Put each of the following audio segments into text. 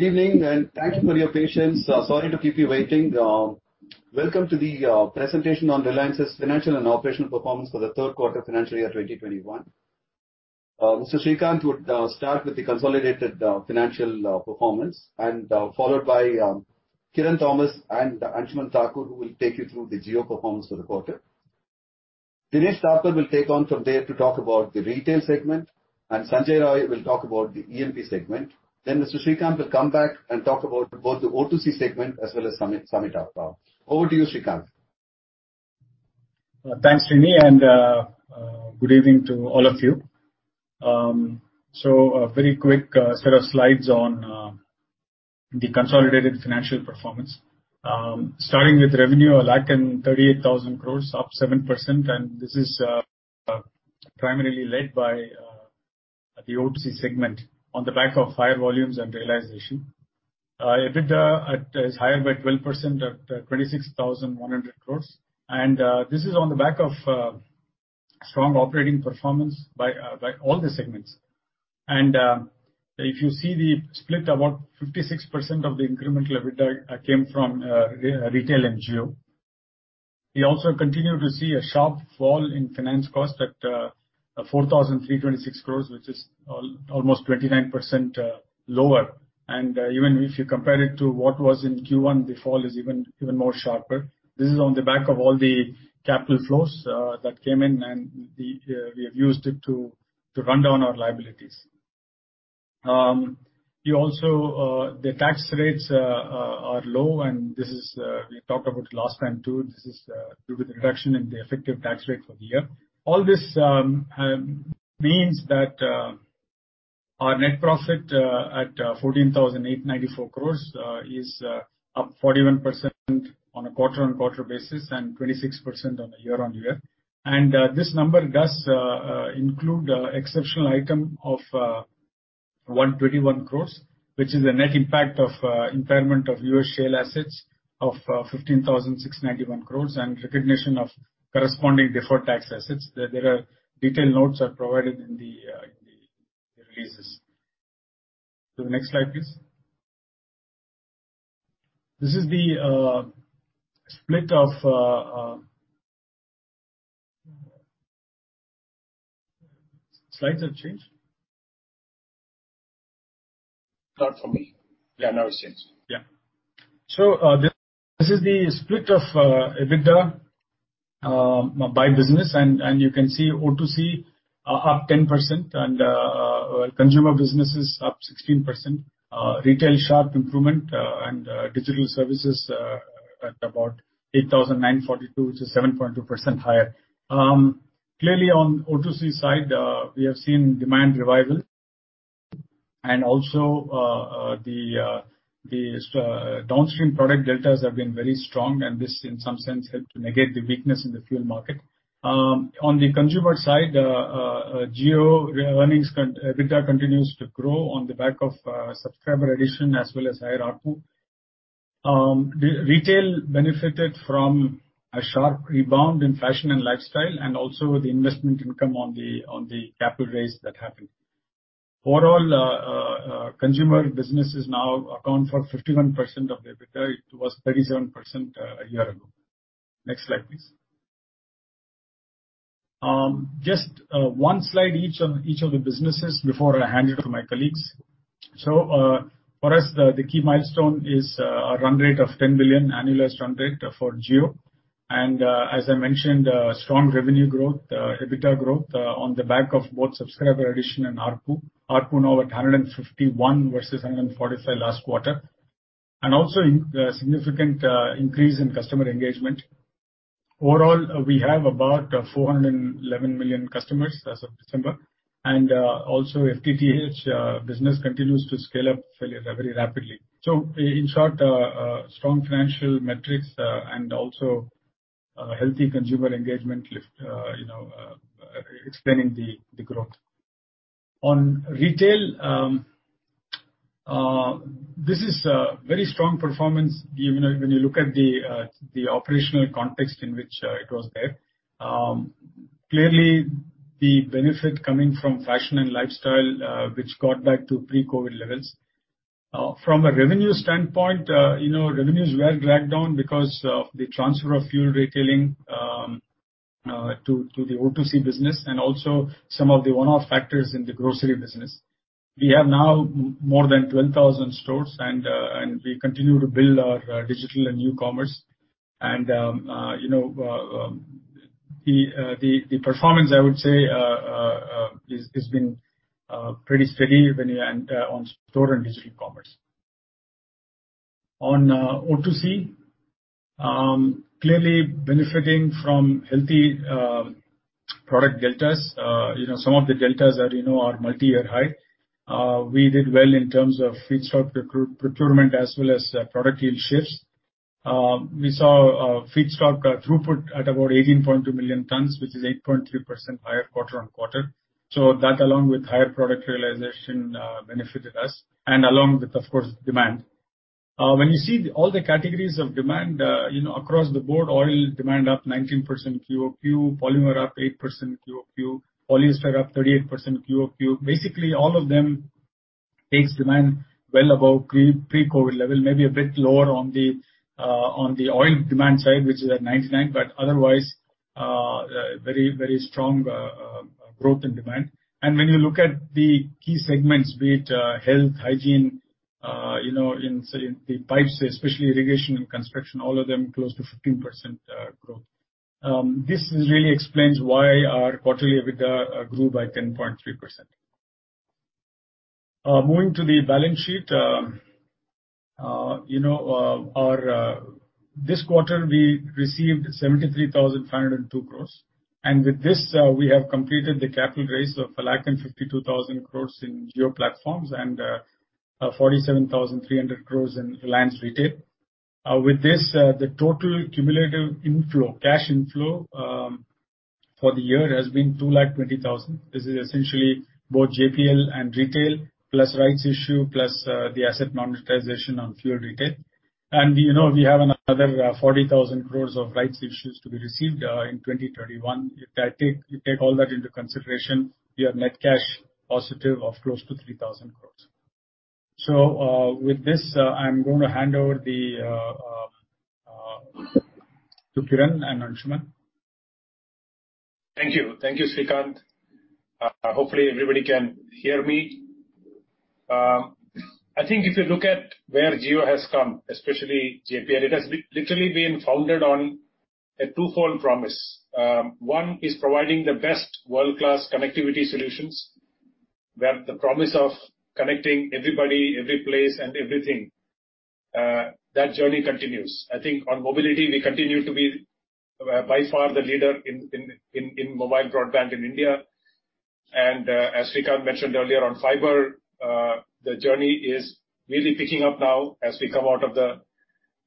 Good evening. Thank you for your patience. Sorry to keep you waiting. Welcome to the presentation on Reliance's financial and operational performance for the third quarter financial year 2021. Mr. Srikanth will start with the consolidated financial performance, and followed by Kiran Thomas and Anshuman Thakur, who will take you through the Jio performance for the quarter. Dinesh Thapar will take on from there to talk about the retail segment, and Sanjay Roy will talk about the E&P segment. Mr. Srikanth will come back and talk about both the O2C segment as well as Samit Arora. Over to you, Srikanth. Thanks, Srini, and good evening to all of you. A very quick set of slides on the consolidated financial performance. Starting with revenue, 138,000 crores, up 7%, and this is primarily led by the O2C segment on the back of higher volumes and realization. EBITDA is higher by 12% at 26,100 crores, and this is on the back of strong operating performance by all the segments. If you see the split, about 56% of the incremental EBITDA came from retail and Jio. We also continue to see a sharp fall in finance cost at 4,326 crores, which is almost 29% lower. Even if you compare it to what was in Q1, the fall is even more sharper. This is on the back of all the capital flows that came in, and we have used it to run down our liabilities. The tax rates are low. We talked about it last time, too. This is due to the reduction in the effective tax rate for the year. All this means that our net profit at 14,894 crores is up 41% on a quarter-on-quarter basis and 26% on a year-on-year. This number does include exceptional item of 121 crores, which is a net impact of impairment of U.S. shale assets of 15,691 crores and recognition of corresponding deferred tax assets. There are detailed notes are provided in the releases. To the next slide, please. This is the split of. Slides have changed? Not for me. Yeah, now it's changed. This is the split of EBITDA by business, and you can see O2C up 10% and consumer business is up 16%, Retail sharp improvement, and digital services at about 8,942, which is 7.2% higher. Clearly on O2C side, we have seen demand revival and also the downstream product deltas have been very strong and this, in some sense, helped to negate the weakness in the fuel market. On the consumer side, Jio earnings EBITDA continues to grow on the back of subscriber addition as well as higher ARPU. Retail benefited from a sharp rebound in fashion and lifestyle, and also the investment income on the capital raise that happened. Overall, consumer businesses now account for 51% of the EBITDA. It was 37% a year ago. Next slide, please. Just one slide each on each of the businesses before I hand it to my colleagues. For us, the key milestone is our run rate of $10 billion annualized run rate for Jio. As I mentioned, strong revenue growth, EBITDA growth, on the back of both subscriber addition and ARPU. ARPU now at 151 versus 145 last quarter. Also a significant increase in customer engagement. Overall, we have about 411 million customers as of December. Also, FTTH business continues to scale up very rapidly. In short, strong financial metrics, and also healthy consumer engagement lift explaining the growth. On retail, this is a very strong performance when you look at the operational context in which it was there. Clearly, the benefit coming from fashion and lifestyle, which got back to pre-COVID levels. From a revenue standpoint, revenues were dragged down because of the transfer of fuel retailing to the O2C business and also some of the one-off factors in the grocery business. We have now more than 12,000 stores and we continue to build our digital and New Commerce. The performance, I would say, has been pretty steady on store and digital commerce. On O2C, clearly benefiting from healthy product deltas. Some of the deltas are multi-year high. We did well in terms of feedstock procurement as well as product yield shifts. We saw feedstock throughput at about 18.2 million tons, which is 8.3% higher quarter-on-quarter. That, along with higher product realization, benefited us, and along with, of course, demand. When you see all the categories of demand across the board, oil demand up 19% QOQ, polymer up 8% QOQ, polyester up 38% QOQ. Basically, all of them takes demand well above pre-COVID level, maybe a bit lower on the oil demand side, which is at 99, but otherwise, very strong growth in demand. When you look at the key segments, be it health, hygiene, in say, the pipes, especially irrigation and construction, all of them close to 15% growth. This really explains why our quarterly EBITDA grew by 10.3%. Moving to the balance sheet. This quarter, we received 73,502 crores. With this, we have completed the capital raise of 1,52,000 crores in Jio Platforms and 47,300 crores in Reliance Retail. With this, the total cumulative inflow, cash inflow for the year has been 2,20,000. This is essentially both JPL and Retail, plus rights issue, plus the asset monetization on fuel retail. We have another 40,000 crores of rights issues to be received in 2031. If you take all that into consideration, we are net cash positive of close to 3,000 crore. With this, I'm going to hand over to Kiran and Anshuman. Thank you. Thank you, Srikanth. Hopefully everybody can hear me. I think if you look at where Jio has come, especially JPL, it has literally been founded on a twofold promise. One is providing the best world-class connectivity solutions, where the promise of connecting everybody, every place, and everything. That journey continues. I think on mobility, we continue to be by far the leader in mobile broadband in India. As Srikanth mentioned earlier on fiber, the journey is really picking up now as we come out of the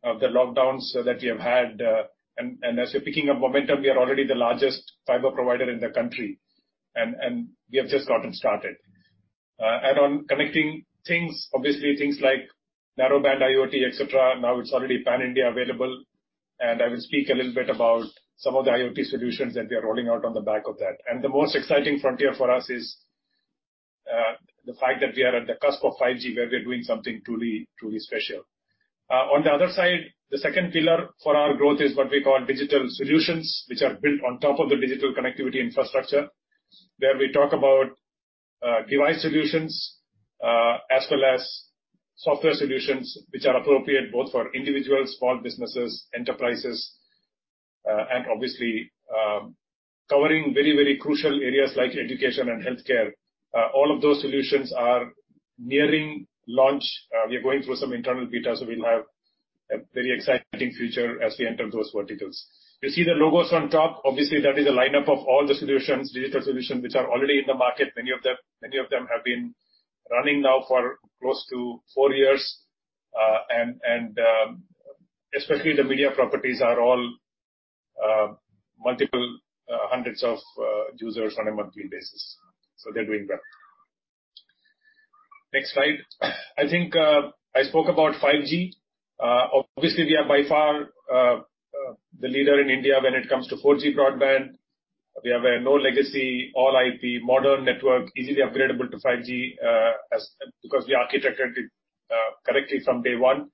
lockdowns that we have had. As we're picking up momentum, we are already the largest fiber provider in the country, and we have just gotten started. On connecting things, obviously things like narrowband IoT, et cetera, now it's already pan-India available. I will speak a little bit about some of the IoT solutions that we are rolling out on the back of that. The most exciting frontier for us is the fact that we are at the cusp of 5G, where we're doing something truly special. On the other side, the second pillar for our growth is what we call digital solutions, which are built on top of the digital connectivity infrastructure, where we talk about device solutions, as well as software solutions which are appropriate both for individuals, small businesses, enterprises, and obviously, covering very crucial areas like education and healthcare. All of those solutions are nearing launch. We are going through some internal beta, so we'll have a very exciting future as we enter those verticals. You see the logos on top, obviously that is a lineup of all the digital solutions which are already in the market. Many of them have been running now for close to four years. Especially the media properties are all multiple hundreds of users on a monthly basis. They're doing well. Next slide. I think I spoke about 5G. Obviously we are by far the leader in India when it comes to 4G broadband. We have a no legacy, all IP, modern network, easily upgradable to 5G, because we architectured it correctly from day one.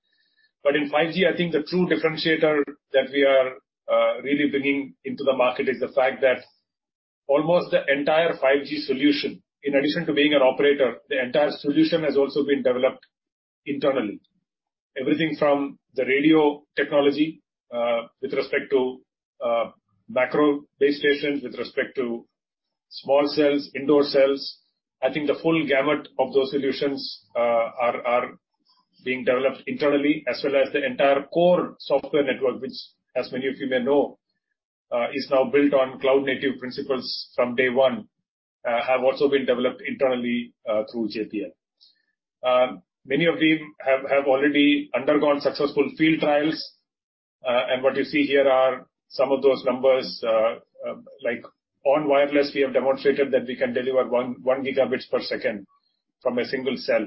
In 5G, I think the true differentiator that we are really bringing into the market is the fact that almost the entire 5G solution, in addition to being an operator, the entire solution has also been developed internally. Everything from the radio technology, with respect to macro base stations, with respect to small cells, indoor cells. I think the full gamut of those solutions are being developed internally as well as the entire core software network, which, as many of you may know, is now built on cloud native principles from day one, have also been developed internally, through JPL. Many of these have already undergone successful field trials. What you see here are some of those numbers, like on wireless, we have demonstrated that we can deliver 1 gigabits per second from a single cell,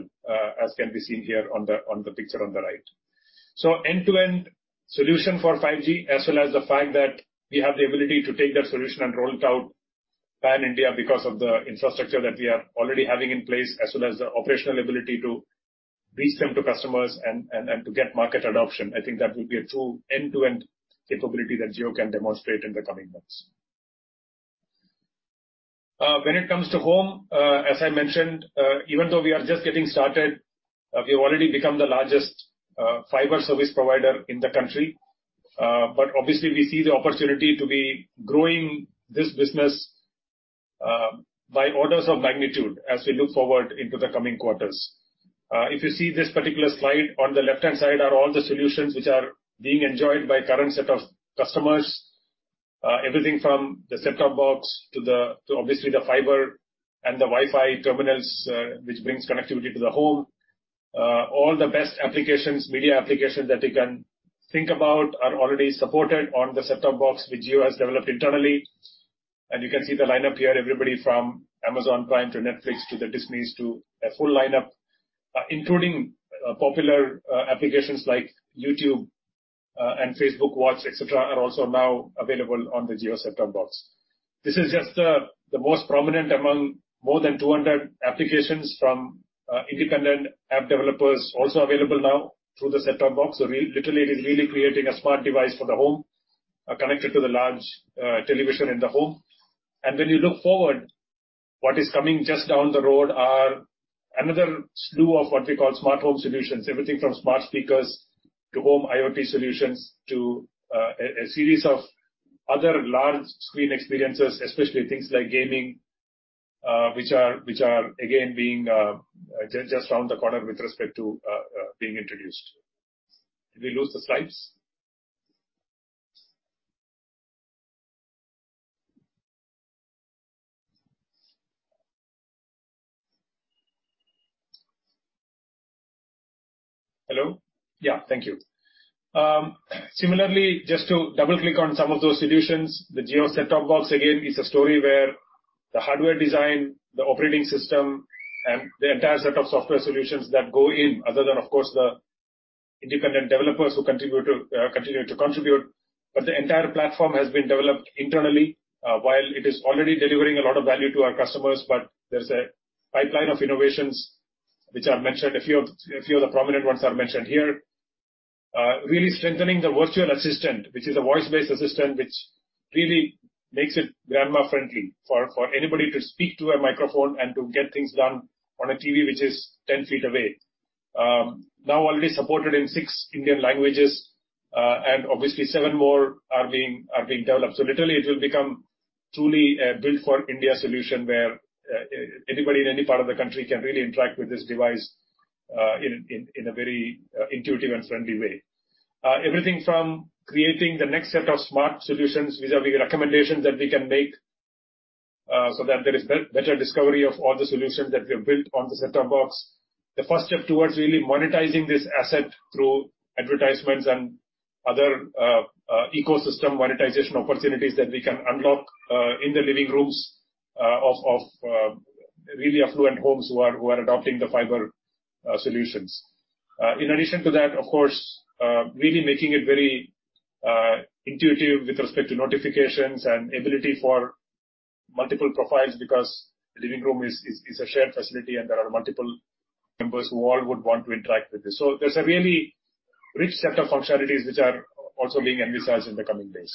as can be seen here on the picture on the right. End-to-end solution for 5G, as well as the fact that we have the ability to take that solution and roll it out pan-India because of the infrastructure that we are already having in place, as well as the operational ability to reach them to customers and to get market adoption. I think that will be a true end-to-end capability that Jio can demonstrate in the coming months. When it comes to home, as I mentioned, even though we are just getting started, we have already become the largest fiber service provider in the country. Obviously we see the opportunity to be growing this business by orders of magnitude as we look forward into the coming quarters. If you see this particular slide, on the left-hand side are all the solutions which are being enjoyed by current set of customers. Everything from the set-top box to obviously the fiber and the Wi-Fi terminals, which brings connectivity to the home. All the best applications, media applications that you can think about are already supported on the set-top box which Jio has developed internally. You can see the lineup here, everybody from Amazon Prime to Netflix to the Disneys, to a full lineup, including popular applications like YouTube and Facebook Watch, et cetera, are also now available on the Jio set-top box. This is just the most prominent among more than 200 applications from independent app developers, also available now through the set-top box. Literally, it is really creating a smart device for the home, connected to the large television in the home. When you look forward, what is coming just down the road are another slew of what we call smart home solutions. Everything from smart speakers to home IoT solutions to a series of other large screen experiences, especially things like gaming, which are again, being just around the corner with respect to being introduced. Did we lose the slides? Hello? Yeah. Thank you. Similarly, just to double-click on some of those solutions, the Jio set-top box, again, is a story where the hardware design, the operating system, and the entire set of software solutions that go in, other than, of course, the independent developers who continue to contribute. The entire platform has been developed internally while it is already delivering a lot of value to our customers. There's a pipeline of innovations which are mentioned. A few of the prominent ones are mentioned here. Really strengthening the virtual assistant, which is a voice-based assistant, which really makes it grandma-friendly for anybody to speak to a microphone and to get things done on a TV, which is 10 feet away. Already supported in six Indian languages, Obviously seven more are being developed. Literally, it will become truly a built for India solution, where anybody in any part of the country can really interact with this device, in a very intuitive and friendly way. Everything from creating the next set of smart solutions vis-à-vis recommendations that we can make, that there is better discovery of all the solutions that we have built on the set-top box. The first step towards really monetizing this asset through advertisements and other ecosystem monetization opportunities that we can unlock in the living rooms of really affluent homes who are adopting the fiber solutions. In addition to that, of course, really making it very intuitive with respect to notifications and ability for multiple profiles, because the living room is a shared facility and there are multiple members who all would want to interact with this. There's a really rich set of functionalities which are also being envisaged in the coming days.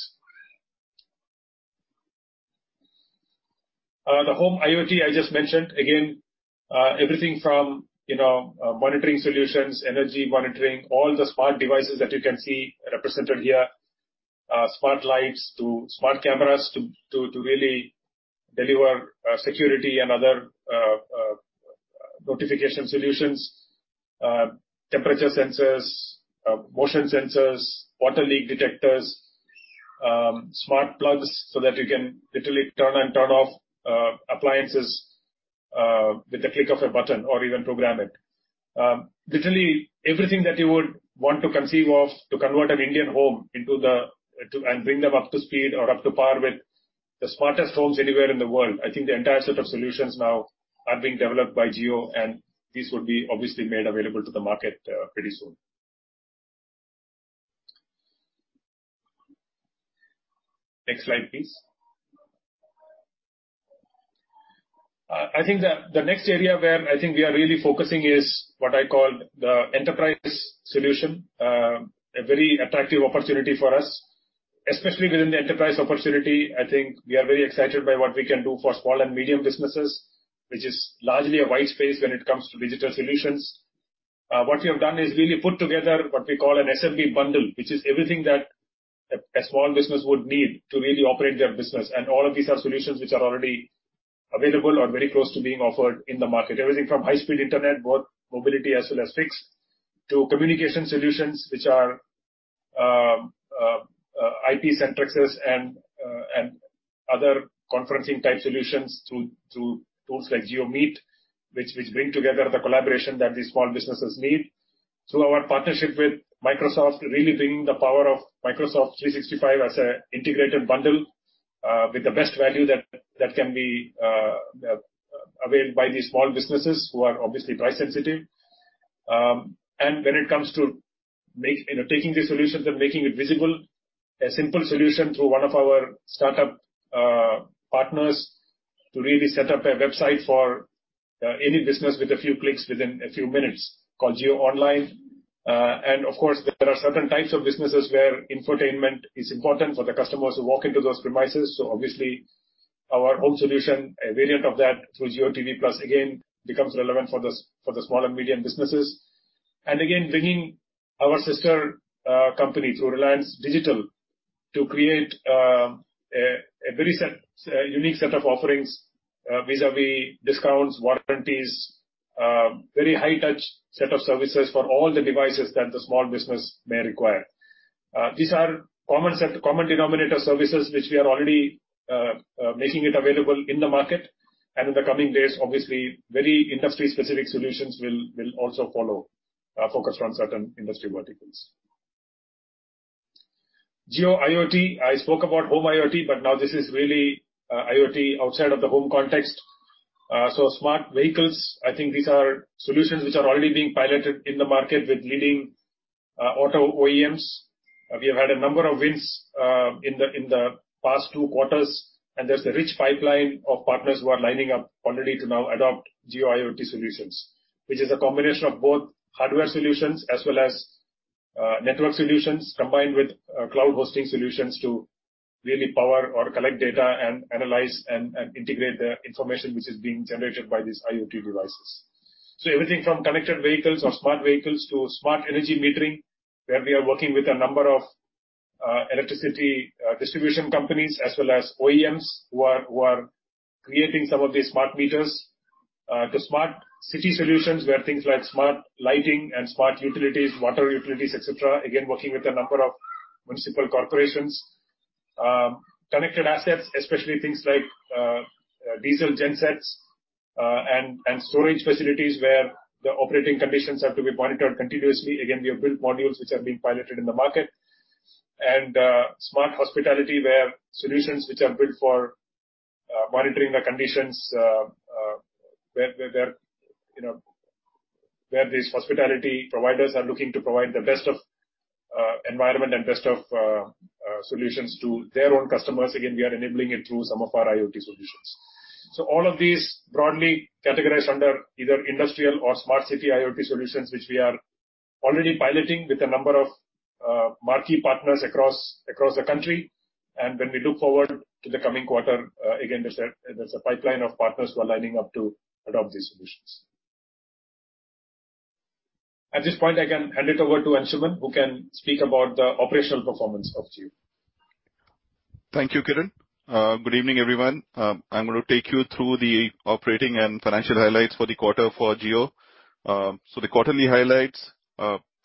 The home IoT I just mentioned. Everything from monitoring solutions, energy monitoring, all the smart devices that you can see represented here. Smart lights to smart cameras to really deliver security and other notification solutions. Temperature sensors, motion sensors, water leak detectors, smart plugs so that you can literally turn and turn off appliances with the click of a button or even program it. Literally everything that you would want to conceive of to convert an Indian home and bring them up to speed or up to par with the smartest homes anywhere in the world. I think the entire set of solutions now are being developed by Jio, these would be obviously made available to the market pretty soon. Next slide, please. I think the next area where I think we are really focusing is what I call the enterprise solution. A very attractive opportunity for us, especially within the enterprise opportunity, I think we are very excited by what we can do for small and medium businesses, which is largely a wide space when it comes to digital solutions. What we have done is really put together what we call an SMB bundle, which is everything that a small business would need to really operate their business. All of these are solutions which are already available or very close to being offered in the market. Everything from high-speed internet, both mobility as well as fixed, to communication solutions which are IP Centrex and other conferencing-type solutions through tools like JioMeet, which bring together the collaboration that these small businesses need. Through our partnership with Microsoft, really bringing the power of Microsoft 365 as an integrated bundle with the best value that can be availed by these small businesses who are obviously price sensitive. When it comes to taking these solutions and making it visible, a simple solution through one of our startup partners to really set up a website for any business with a few clicks within a few minutes called JioOnline. Of course, there are certain types of businesses where infotainment is important for the customers who walk into those premises, so obviously our home solution, a variant of that through JioTV+ again becomes relevant for the small and medium businesses. Again, bringing our sister company through Reliance Digital to create a very unique set of offerings vis-à-vis discounts, warranties, very high touch set of services for all the devices that the small business may require. These are common denominator services which we are already making it available in the market and in the coming days obviously very industry specific solutions will also follow, focused on certain industry verticals. Jio IoT. I spoke about home IoT, but now this is really IoT outside of the home context. Smart vehicles, I think these are solutions which are already being piloted in the market with leading auto OEMs. We have had a number of wins in the past two quarters, and there's a rich pipeline of partners who are lining up already to now adopt Jio IoT solutions. Which is a combination of both hardware solutions as well as network solutions, combined with cloud hosting solutions to really power or collect data and analyze and integrate the information which is being generated by these IoT devices. Everything from connected vehicles or smart vehicles to smart energy metering, where we are working with a number of electricity distribution companies, as well as OEMs who are creating some of these smart meters. To smart city solutions, where things like smart lighting and smart utilities, water utilities, et cetera, again, working with a number of municipal corporations. Connected assets, especially things like diesel gensets, and storage facilities where the operating conditions have to be monitored continuously. We have built modules which are being piloted in the market. Smart hospitality, where solutions which are built for monitoring the conditions where these hospitality providers are looking to provide the best of environment and best of solutions to their own customers. We are enabling it through some of our IoT solutions. All of these broadly categorized under either industrial or smart city IoT solutions, which we are already piloting with a number of marquee partners across the country. When we look forward to the coming quarter, again, there's a pipeline of partners who are lining up to adopt these solutions. At this point, I can hand it over to Anshuman, who can speak about the operational performance of Jio. Thank you, Kiran. Good evening, everyone. I'm going to take you through the operating and financial highlights for the quarter for Jio. The quarterly highlights.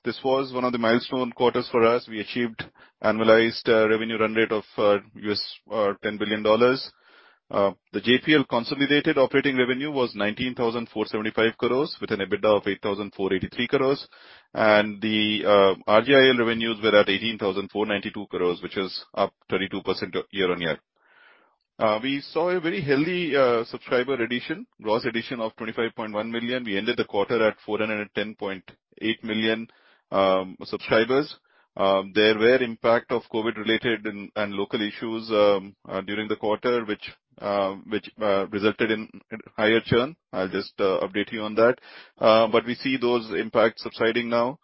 This was one of the milestone quarters for us. We achieved annualized revenue run rate of $10 billion. The JPL consolidated operating revenue was 19,475 crores, with an EBITDA of 8,483 crores. The RJIL revenues were at 18,492 crores, which is up 32% year-on-year. We saw a very healthy subscriber addition, gross addition of 25.1 million. We ended the quarter at 410.8 million subscribers. There were impact of COVID related and local issues during the quarter, which resulted in higher churn. I'll just update you on that. We see those impacts subsiding now.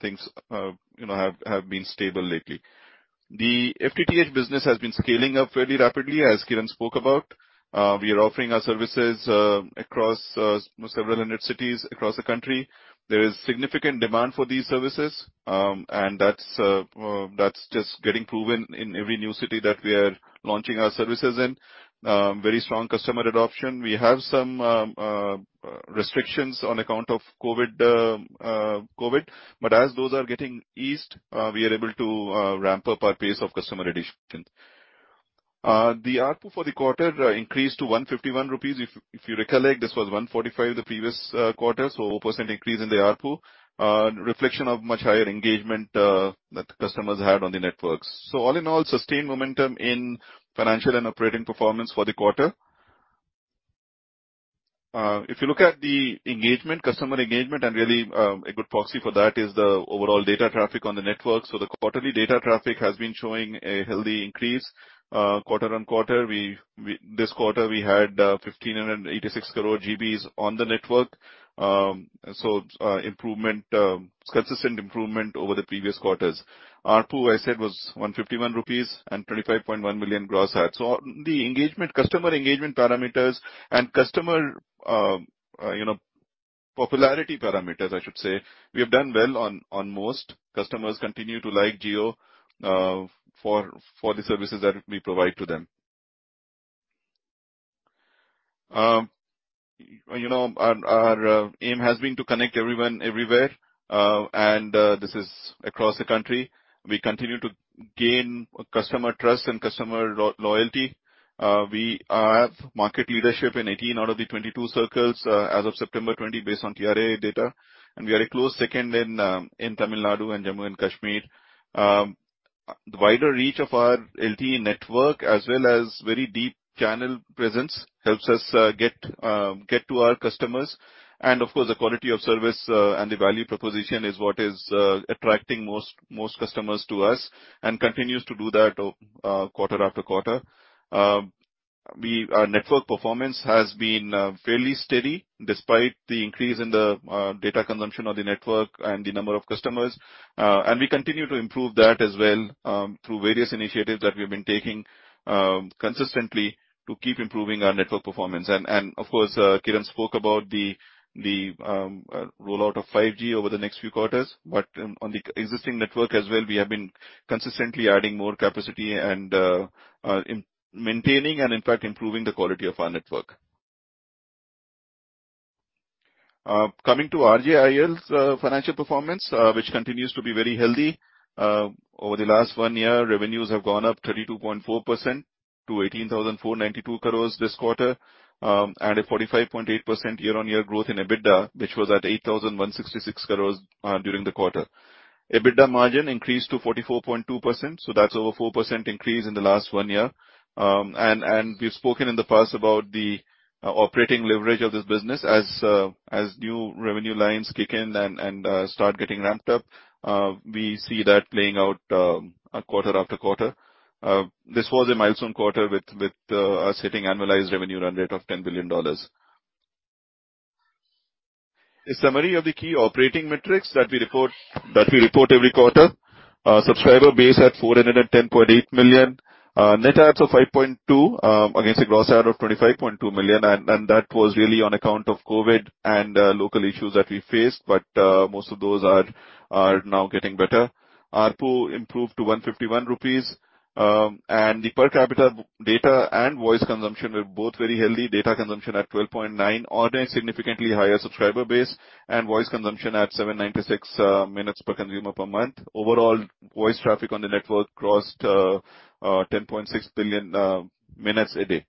Things have been stable lately. The FTTH business has been scaling up fairly rapidly, as Kiran spoke about. We are offering our services across several hundred cities across the country. There is significant demand for these services. That's just getting proven in every new city that we are launching our services in. Very strong customer adoption. We have some restrictions on account of COVID. As those are getting eased, we are able to ramp up our pace of customer addition. The ARPU for the quarter increased to 151 rupees. If you recollect, this was 145 the previous quarter, 4% increase in the ARPU. A reflection of much higher engagement that the customers had on the networks. All in all, sustained momentum in financial and operating performance for the quarter. If you look at the customer engagement, and really a good proxy for that is the overall data traffic on the network. The quarterly data traffic has been showing a healthy increase quarter-on-quarter. This quarter, we had 1,586 crore GBs on the network. Consistent improvement over the previous quarters. ARPU, I said, was 151 rupees and 25.1 million gross adds. The customer engagement parameters and customer popularity parameters, I should say, we have done well on most. Customers continue to like Jio for the services that we provide to them. Our aim has been to connect everyone, everywhere, and this is across the country. We continue to gain customer trust and customer loyalty. We have market leadership in 18 out of the 22 circles as of September 20, based on TRAI data. We are a close second in Tamil Nadu and Jammu & Kashmir. The wider reach of our LTE network, as well as very deep channel presence, helps us get to our customers. Of course, the quality of service and the value proposition is what is attracting most customers to us, and continues to do that quarter after quarter. Our network performance has been fairly steady despite the increase in the data consumption of the network and the number of customers. We continue to improve that as well through various initiatives that we have been taking consistently to keep improving our network performance. Of course, Kiran spoke about the rollout of 5G over the next few quarters. On the existing network as well, we have been consistently adding more capacity and maintaining and in fact, improving the quality of our network. Coming to RJIL's financial performance, which continues to be very healthy. Over the last one year, revenues have gone up 32.4%. To 18,492 crore this quarter, and a 45.8% year-on-year growth in EBITDA, which was at 8,166 crore during the quarter. EBITDA margin increased to 44.2%. That's over 4% increase in the last one year. We've spoken in the past about the operating leverage of this business as new revenue lines kick in and start getting ramped up. We see that playing out quarter-after-quarter. This was a milestone quarter with us hitting annualized revenue run rate of $10 billion. A summary of the key operating metrics that we report every quarter. Subscriber base at 410.8 million. Net adds of 5.2 against a gross add of 25.2 million, that was really on account of COVID and local issues that we faced. Most of those are now getting better. ARPU improved to 151 rupees. The per capita data and voice consumption were both very healthy. Data consumption at 12.9 on a significantly higher subscriber base, and voice consumption at 796 minutes per consumer per month. Overall, voice traffic on the network crossed 10.6 billion minutes a day.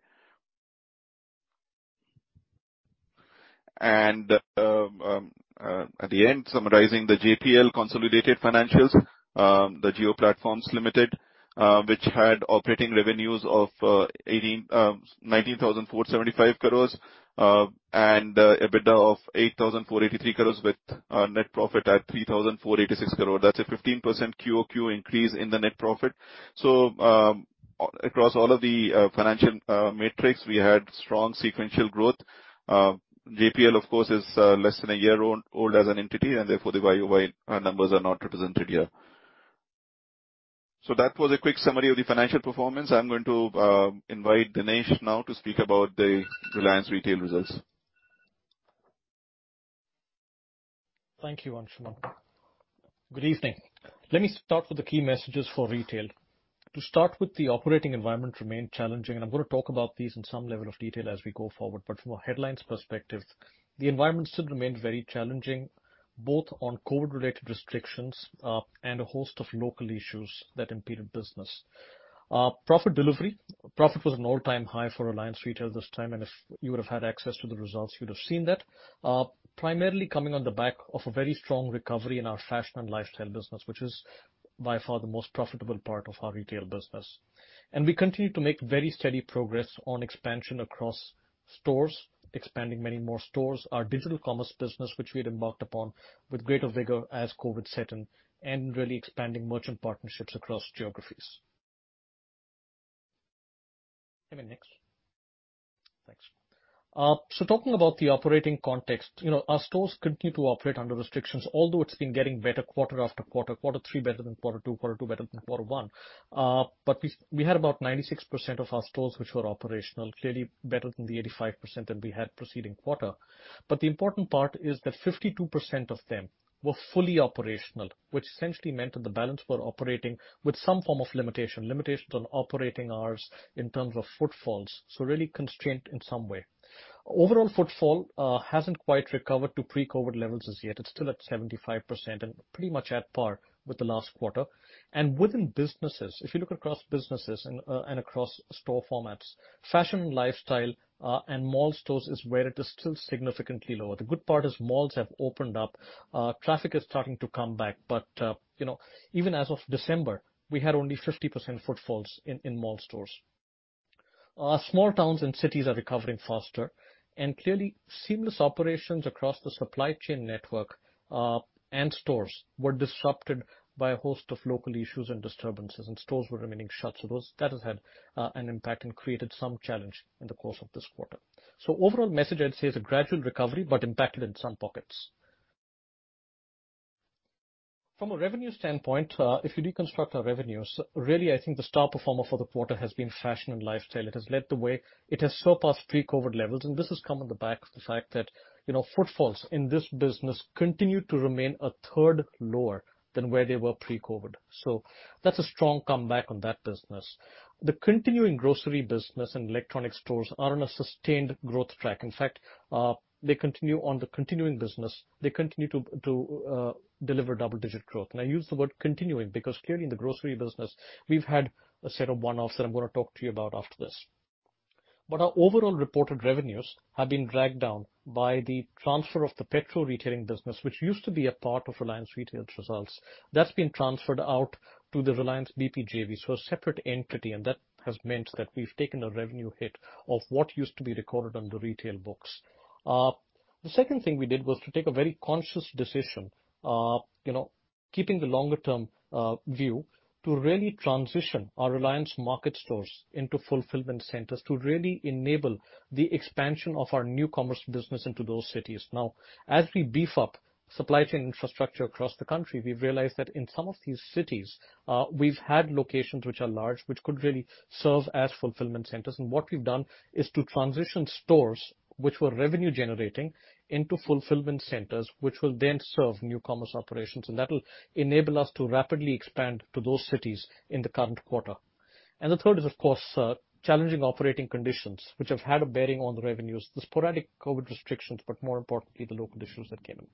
At the end, summarizing the JPL consolidated financials, the Jio Platforms Limited, which had operating revenues of 19,475 crore, and EBITDA of 8,483 crore with net profit at 3,486 crore. That's a 15% QoQ increase in the net profit. Across all of the financial metrics, we had strong sequential growth. JPL, of course, is less than a year old as an entity, and therefore the YoY numbers are not represented here. That was a quick summary of the financial performance. I'm going to invite Dinesh now to speak about the Reliance Retail results. Thank you, Anshuman. Good evening. Let me start with the key messages for Reliance Retail. To start with, the operating environment remained challenging, and I'm going to talk about these in some level of detail as we go forward. From a headlines perspective, the environment still remained very challenging, both on COVID-related restrictions and a host of local issues that impeded business. Profit delivery. Profit was an all-time high for Reliance Retail this time, and if you would have had access to the results, you'd have seen that. Primarily coming on the back of a very strong recovery in our fashion and lifestyle business, which is by far the most profitable part of our retail business. We continue to make very steady progress on expansion across stores, expanding many more stores. Our digital commerce business, which we had embarked upon with greater vigor as COVID set in, and really expanding merchant partnerships across geographies. Can we have the next? Thanks. Talking about the operating context. Our stores continue to operate under restrictions, although it's been getting better quarter after quarter three better than quarter two, quarter two better than quarter one. We had about 96% of our stores which were operational, clearly better than the 85% that we had preceding quarter. The important part is that 52% of them were fully operational, which essentially meant that the balance were operating with some form of limitation. Limitations on operating hours in terms of footfalls. Really constrained in some way. Overall footfall hasn't quite recovered to pre-COVID levels as yet. It's still at 75% and pretty much at par with the last quarter. Within businesses, if you look across businesses and across store formats, fashion and lifestyle, and mall stores is where it is still significantly lower. The good part is malls have opened up. Traffic is starting to come back. Even as of December, we had only 50% footfalls in mall stores. Our small towns and cities are recovering faster and clearly seamless operations across the supply chain network and stores were disrupted by a host of local issues and disturbances and stores were remaining shut. That has had an impact and created some challenge in the course of this quarter. Overall message, I'd say, is a gradual recovery but impacted in some pockets. From a revenue standpoint, if you deconstruct our revenues, really, I think the star performer for the quarter has been fashion and lifestyle. It has led the way. It has surpassed pre-COVID levels, and this has come on the back of the fact that footfalls in this business continue to remain a third lower than where they were pre-COVID. That's a strong comeback on that business. The continuing grocery business and electronic stores are on a sustained growth track. In fact, they continue on the continuing business. They continue to deliver double-digit growth. I use the word continuing because clearly in the grocery business, we've had a set of one-offs that I'm going to talk to you about after this. Our overall reported revenues have been dragged down by the transfer of the petrol retailing business, which used to be a part of Reliance Retail's results. That's been transferred out to the Reliance BP JV, so a separate entity, and that has meant that we've taken a revenue hit of what used to be recorded under retail books. The second thing we did was to take a very conscious decision, keeping the longer-term view to really transition our Reliance Market stores into fulfillment centers to really enable the expansion of our New Commerce business into those cities. Now, as we beef up supply chain infrastructure across the country, we've realized that in some of these cities, we've had locations which are large, which could really serve as fulfillment centers. What we've done is to transition stores which were revenue generating into fulfillment centers, which will then serve New Commerce operations, and that will enable us to rapidly expand to those cities in the current quarter. The third is, of course, challenging operating conditions, which have had a bearing on the revenues, the sporadic COVID restrictions, but more importantly, the local issues that came in.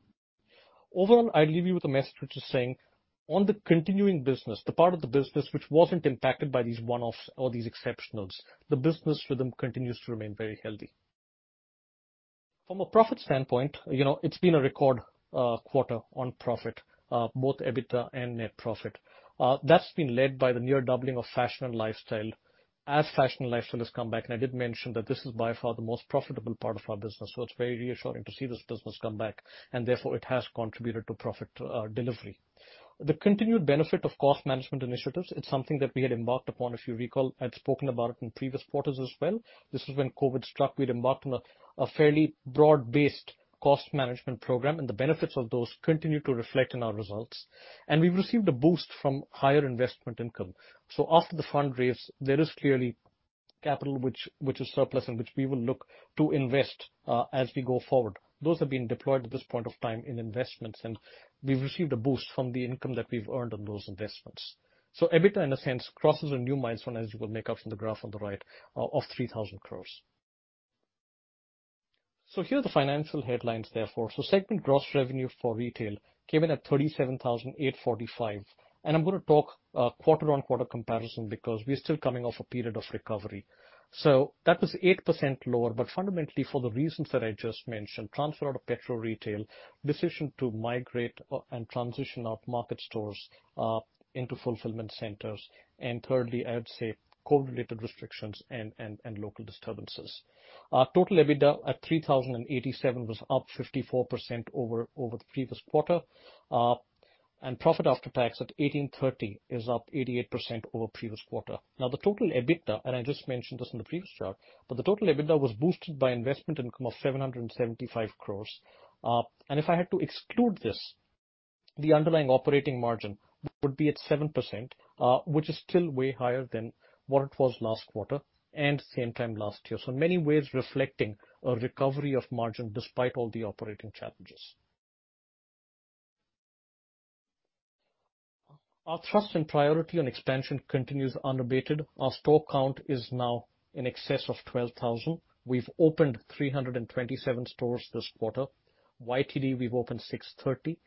Overall, I'll leave you with a message which is saying, on the continuing business, the part of the business which wasn't impacted by these one-offs or these exceptionals, the business rhythm continues to remain very healthy. From a profit standpoint, it's been a record quarter on profit, both EBITDA and net profit. That's been led by the near doubling of fashion and lifestyle as fashion and lifestyle has come back, and I did mention that this is by far the most profitable part of our business. It's very reassuring to see this business come back, and therefore it has contributed to profit delivery. The continued benefit of cost management initiatives, it's something that we had embarked upon. If you recall, I'd spoken about it in previous quarters as well. This is when COVID struck. We'd embarked on a fairly broad-based cost management program, the benefits of those continue to reflect in our results. We've received a boost from higher investment income. After the fundraise, there is clearly capital which is surplus and which we will look to invest as we go forward. Those have been deployed at this point of time in investments, and we've received a boost from the income that we've earned on those investments. EBITDA, in a sense, crosses a new milestone, as you will make out from the graph on the right, of 3,000 crores. Here are the financial headlines, therefore. Segment gross revenue for retail came in at 37,845. I'm going to talk quarter-on-quarter comparison because we're still coming off a period of recovery. That was 8% lower, but fundamentally for the reasons that I just mentioned, transfer out of petrol retail, decision to migrate and transition out Market stores into fulfillment centers, and thirdly, I would say, COVID-related restrictions and local disturbances. Our total EBITDA at 3,087 was up 54% over the previous quarter. Profit after tax at 1,830 is up 88% over previous quarter. Now, the total EBITDA, I just mentioned this in the previous chart, but the total EBITDA was boosted by investment income of 775 crores. If I had to exclude this, the underlying operating margin would be at 7%, which is still way higher than what it was last quarter and same time last year. In many ways reflecting a recovery of margin despite all the operating challenges. Our thrust and priority on expansion continues unabated. Our store count is now in excess of 12,000. We've opened 327 stores this quarter. YTD, we've opened 630.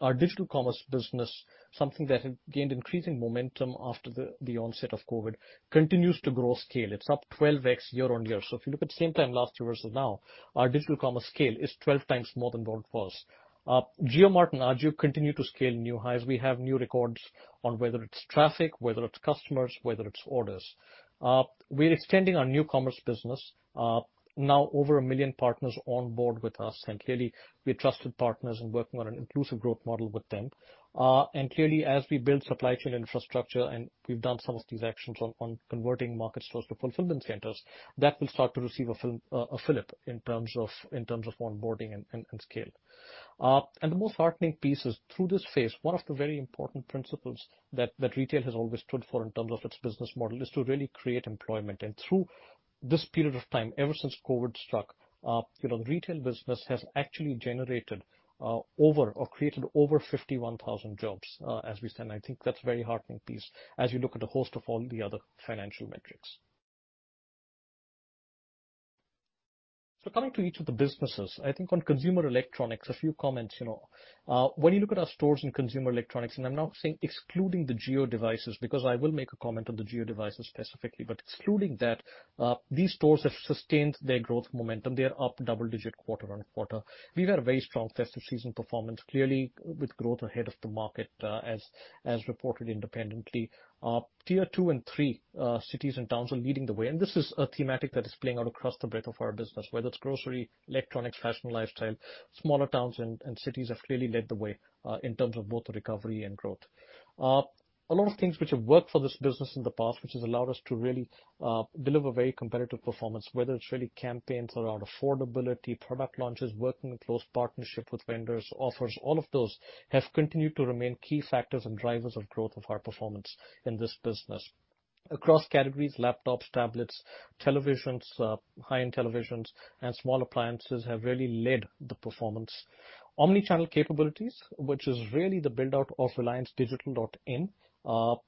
Our digital commerce business, something that had gained increasing momentum after the onset of COVID, continues to grow scale. It's up 12x year on year. If you look at same time last year versus now, our digital commerce scale is 12x more than what it was. JioMart and AJIO continue to scale new highs. We have new records on whether it's traffic, whether it's customers, whether it's orders. We're extending our New Commerce business. Now over 1 million partners on board with us, and clearly we have trusted partners and working on an inclusive growth model with them. Clearly, as we build supply chain infrastructure and we've done some of these actions on converting market stores to fulfillment centers, that will start to receive a fillip in terms of onboarding and scale. The most heartening piece is through this phase, one of the very important principles that retail has always stood for in terms of its business model is to really create employment. Through this period of time, ever since COVID struck, retail business has actually generated over or created over 51,000 jobs, as we stand. I think that's a very heartening piece as you look at a host of all the other financial metrics. Coming to each of the businesses, I think on consumer electronics, a few comments. When you look at our stores in consumer electronics, and I'm now saying excluding the Jio devices, because I will make a comment on the Jio devices specifically. Excluding that, these stores have sustained their growth momentum. They are up double-digit quarter-on-quarter. We've had a very strong festive season performance, clearly with growth ahead of the market, as reported independently. Tier 2 and 3 cities and towns are leading the way, this is a thematic that is playing out across the breadth of our business, whether it's grocery, electronics, fashion, lifestyle. Smaller towns and cities have clearly led the way in terms of both recovery and growth. A lot of things which have worked for this business in the past, which has allowed us to really deliver very competitive performance, whether it's really campaigns around affordability, product launches, working in close partnership with vendors, offers, all of those have continued to remain key factors and drivers of growth of our performance in this business. Across categories, laptops, tablets, televisions, high-end televisions, and small appliances have really led the performance. Omnichannel capabilities, which is really the build-out of reliancedigital.in, are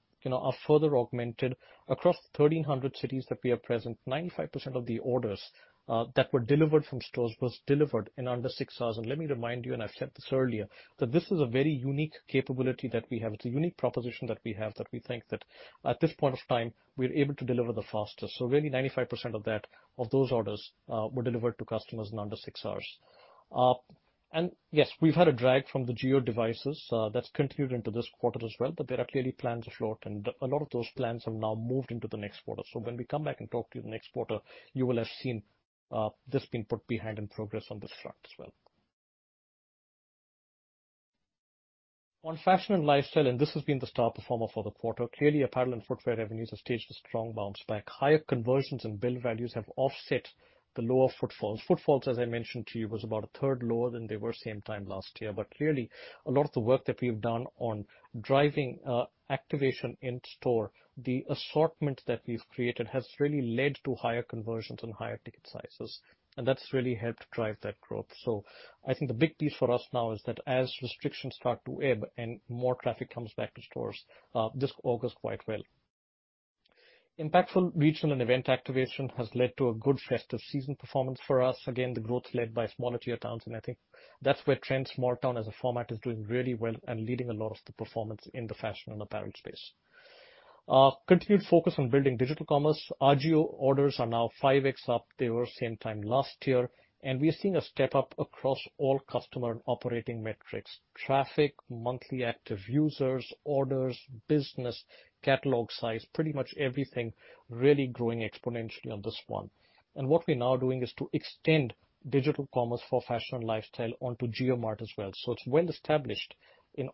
further augmented across 1,300 cities that we are present. 95% of the orders that were delivered from stores was delivered in under 6 hours. Let me remind you, and I've said this earlier, that this is a very unique capability that we have. It's a unique proposition that we have that we think that at this point of time, we're able to deliver the fastest. Really 95% of those orders were delivered to customers in under six hours. Yes, we've had a drag from the Jio devices. That's continued into this quarter as well, but there are clearly plans afloat, and a lot of those plans have now moved into the next quarter. When we come back and talk to you the next quarter, you will have seen this being put behind in progress on this front as well. On fashion and lifestyle, and this has been the star performer for the quarter. Clearly, apparel and footwear revenues have staged a strong bounce back. Higher conversions and bill values have offset the lower footfalls. Footfalls, as I mentioned to you, was about a third lower than they were same time last year. Clearly, a lot of the work that we've done on driving activation in store, the assortment that we've created has really led to higher conversions and higher ticket sizes, and that's really helped drive that growth. I think the big piece for us now is that as restrictions start to ebb and more traffic comes back to stores, this augurs quite well. Impactful regional and event activation has led to a good festive season performance for us. Again, the growth led by smaller tier towns, and I think that's where Trends Small Town as a format is doing really well and leading a lot of the performance in the fashion and apparel space. Continued focus on building digital commerce. RGO orders are now 5x up they were same time last year. We are seeing a step up across all customer operating metrics, traffic, monthly active users, orders, business, catalog size, pretty much everything really growing exponentially on this one. What we're now doing is to extend digital commerce for fashion and lifestyle onto JioMart as well. It's well established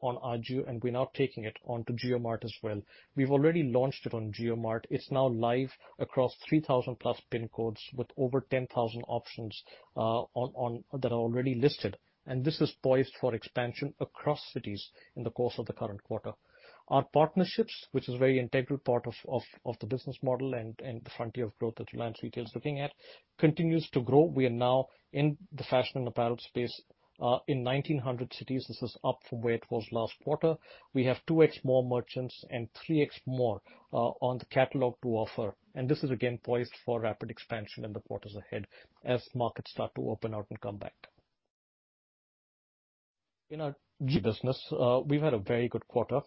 on RGO and we're now taking it on to JioMart as well. We've already launched it on JioMart. It's now live across 3,000 plus pin codes with over 10,000 options that are already listed. This is poised for expansion across cities in the course of the current quarter. Our partnerships, which is very integral part of the business model and the frontier of growth that Reliance Retail is looking at, continues to grow. We are now in the fashion and apparel space, in 1,900 cities. This is up from where it was last quarter. We have 2x more merchants and 3x more on the catalog to offer. This is again poised for rapid expansion in the quarters ahead as markets start to open up and come back. In our Jio business, we've had a very good quarter,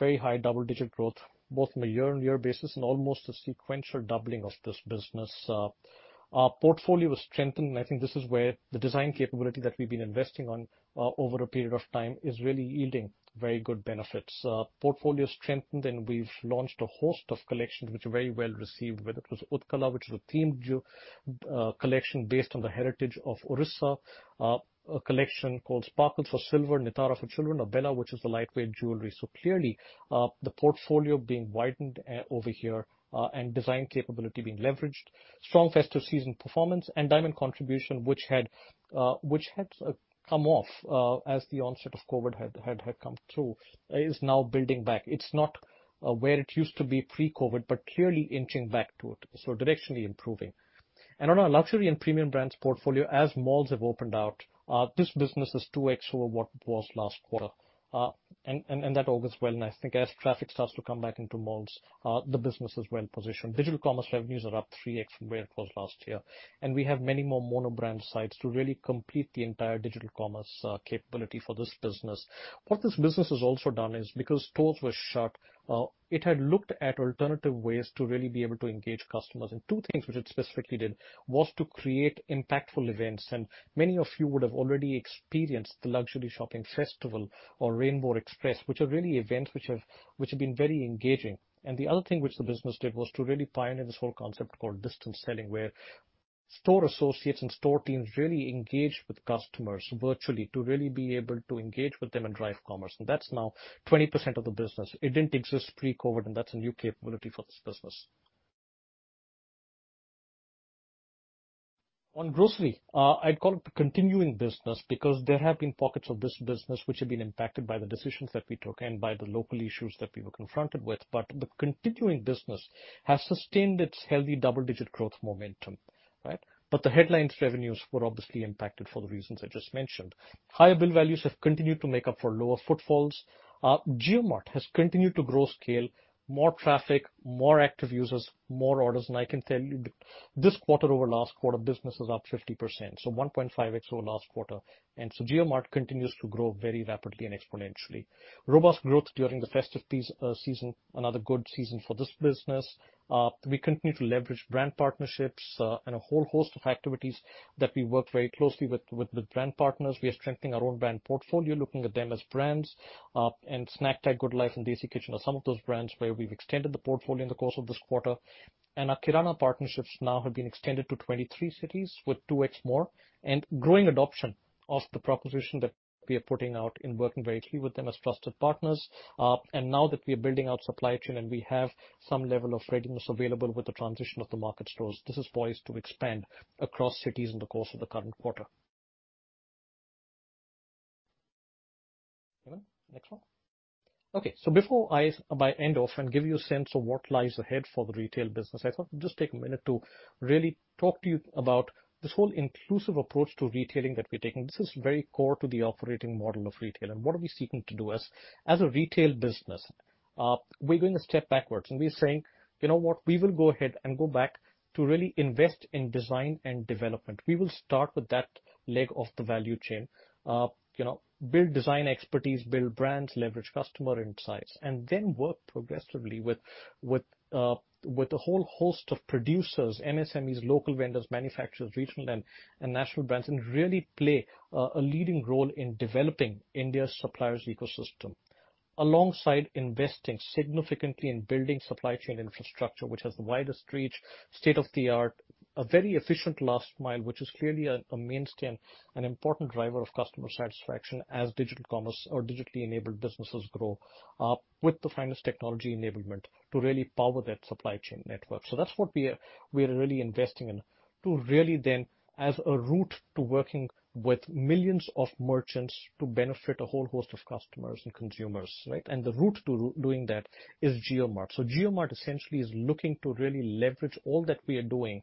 very high double-digit growth, both on a year-on-year basis and almost a sequential doubling of this business. Our portfolio was strengthened, and I think this is where the design capability that we've been investing on over a period of time is really yielding very good benefits. Portfolio strengthened. We've launched a host of collections which are very well received, whether it was Utkala, which is a themed collection based on the heritage of Odisha, a collection called Sparkles for silver, Nitara for children, or Bella, which is the lightweight jewelry. Clearly, the portfolio being widened over here, and design capability being leveraged. Strong festive season performance and diamond contribution, which had come off as the onset of COVID had come through, is now building back. It's not where it used to be pre-COVID, but clearly inching back to it, so directionally improving. On our luxury and premium brands portfolio, as malls have opened up, this business is 2x over what it was last quarter, and that augurs well. I think as traffic starts to come back into malls, the business is well-positioned. Digital commerce revenues are up 3x from where it was last year, and we have many more mono-brand sites to really complete the entire digital commerce capability for this business. This business has also done is because stores were shut, it had looked at alternative ways to really be able to engage customers. Two things which it specifically did was to create impactful events. Many of you would have already experienced the luxury shopping festival or Rainbow Express, which are really events which have been very engaging. The other thing which the business did was to really pioneer this whole concept called distance selling, where store associates and store teams really engaged with customers virtually to really be able to engage with them and drive commerce. That's now 20% of the business. It didn't exist pre-COVID, and that's a new capability for this business. On grocery, I'd call it the continuing business because there have been pockets of this business which have been impacted by the decisions that we took and by the local issues that we were confronted with. The continuing business has sustained its healthy double-digit growth momentum. The headlines revenues were obviously impacted for the reasons I just mentioned. Higher bill values have continued to make up for lower footfalls. JioMart has continued to grow scale, more traffic, more active users, more orders. I can tell you this quarter over last quarter, business is up 50%, so 1.5X over last quarter. JioMart continues to grow very rapidly and exponentially. Robust growth during the festive season, another good season for this business. We continue to leverage brand partnerships and a whole host of activities that we work very closely with the brand partners. We are strengthening our own brand portfolio, looking at them as brands, and Snactac, GoodLife, and Desi Kitchen are some of those brands where we've extended the portfolio in the course of this quarter. Our Kirana partnerships now have been extended to 23 cities with 2X more and growing adoption of the proposition that we are putting out in working very closely with them as trusted partners. Now that we are building out supply chain and we have some level of readiness available with the transition of the market stores, this is poised to expand across cities in the course of the current quarter. Next one. Okay. Before I end off and give you a sense of what lies ahead for the retail business, I thought I'd just take a minute to really talk to you about this whole inclusive approach to retailing that we're taking. This is very core to the operating model of retail and what are we seeking to do as a retail business. We're going to step backwards and we're saying, you know what? We will go ahead and go back to really invest in design and development." We will start with that leg of the value chain. Build design expertise, build brands, leverage customer insights, and then work progressively with a whole host of producers, MSMEs, local vendors, manufacturers, regional and national brands, and really play a leading role in developing India's suppliers ecosystem. Alongside investing significantly in building supply chain infrastructure, which has the widest reach, state-of-the-art, a very efficient last mile, which is clearly a mainstay and an important driver of customer satisfaction as digital commerce or digitally enabled businesses grow up with the finest technology enablement to really power that supply chain network. That's what we are really investing in to really then as a route to working with millions of merchants to benefit a whole host of customers and consumers, right? The route to doing that is JioMart. JioMart essentially is looking to really leverage all that we are doing,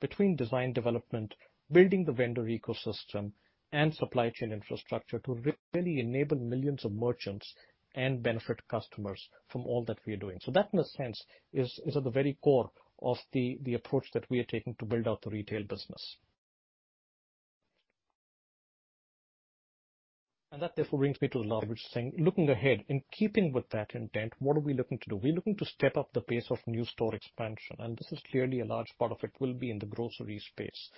between design development, building the vendor ecosystem, and supply chain infrastructure to really enable millions of merchants and benefit customers from all that we are doing. That, in a sense, is at the very core of the approach that we are taking to build out the retail business. That, therefore, brings me to the large thing. Looking ahead, in keeping with that intent, what are we looking to do? We're looking to step up the pace of new store expansion, and this is clearly a large part of it will be in the grocery space.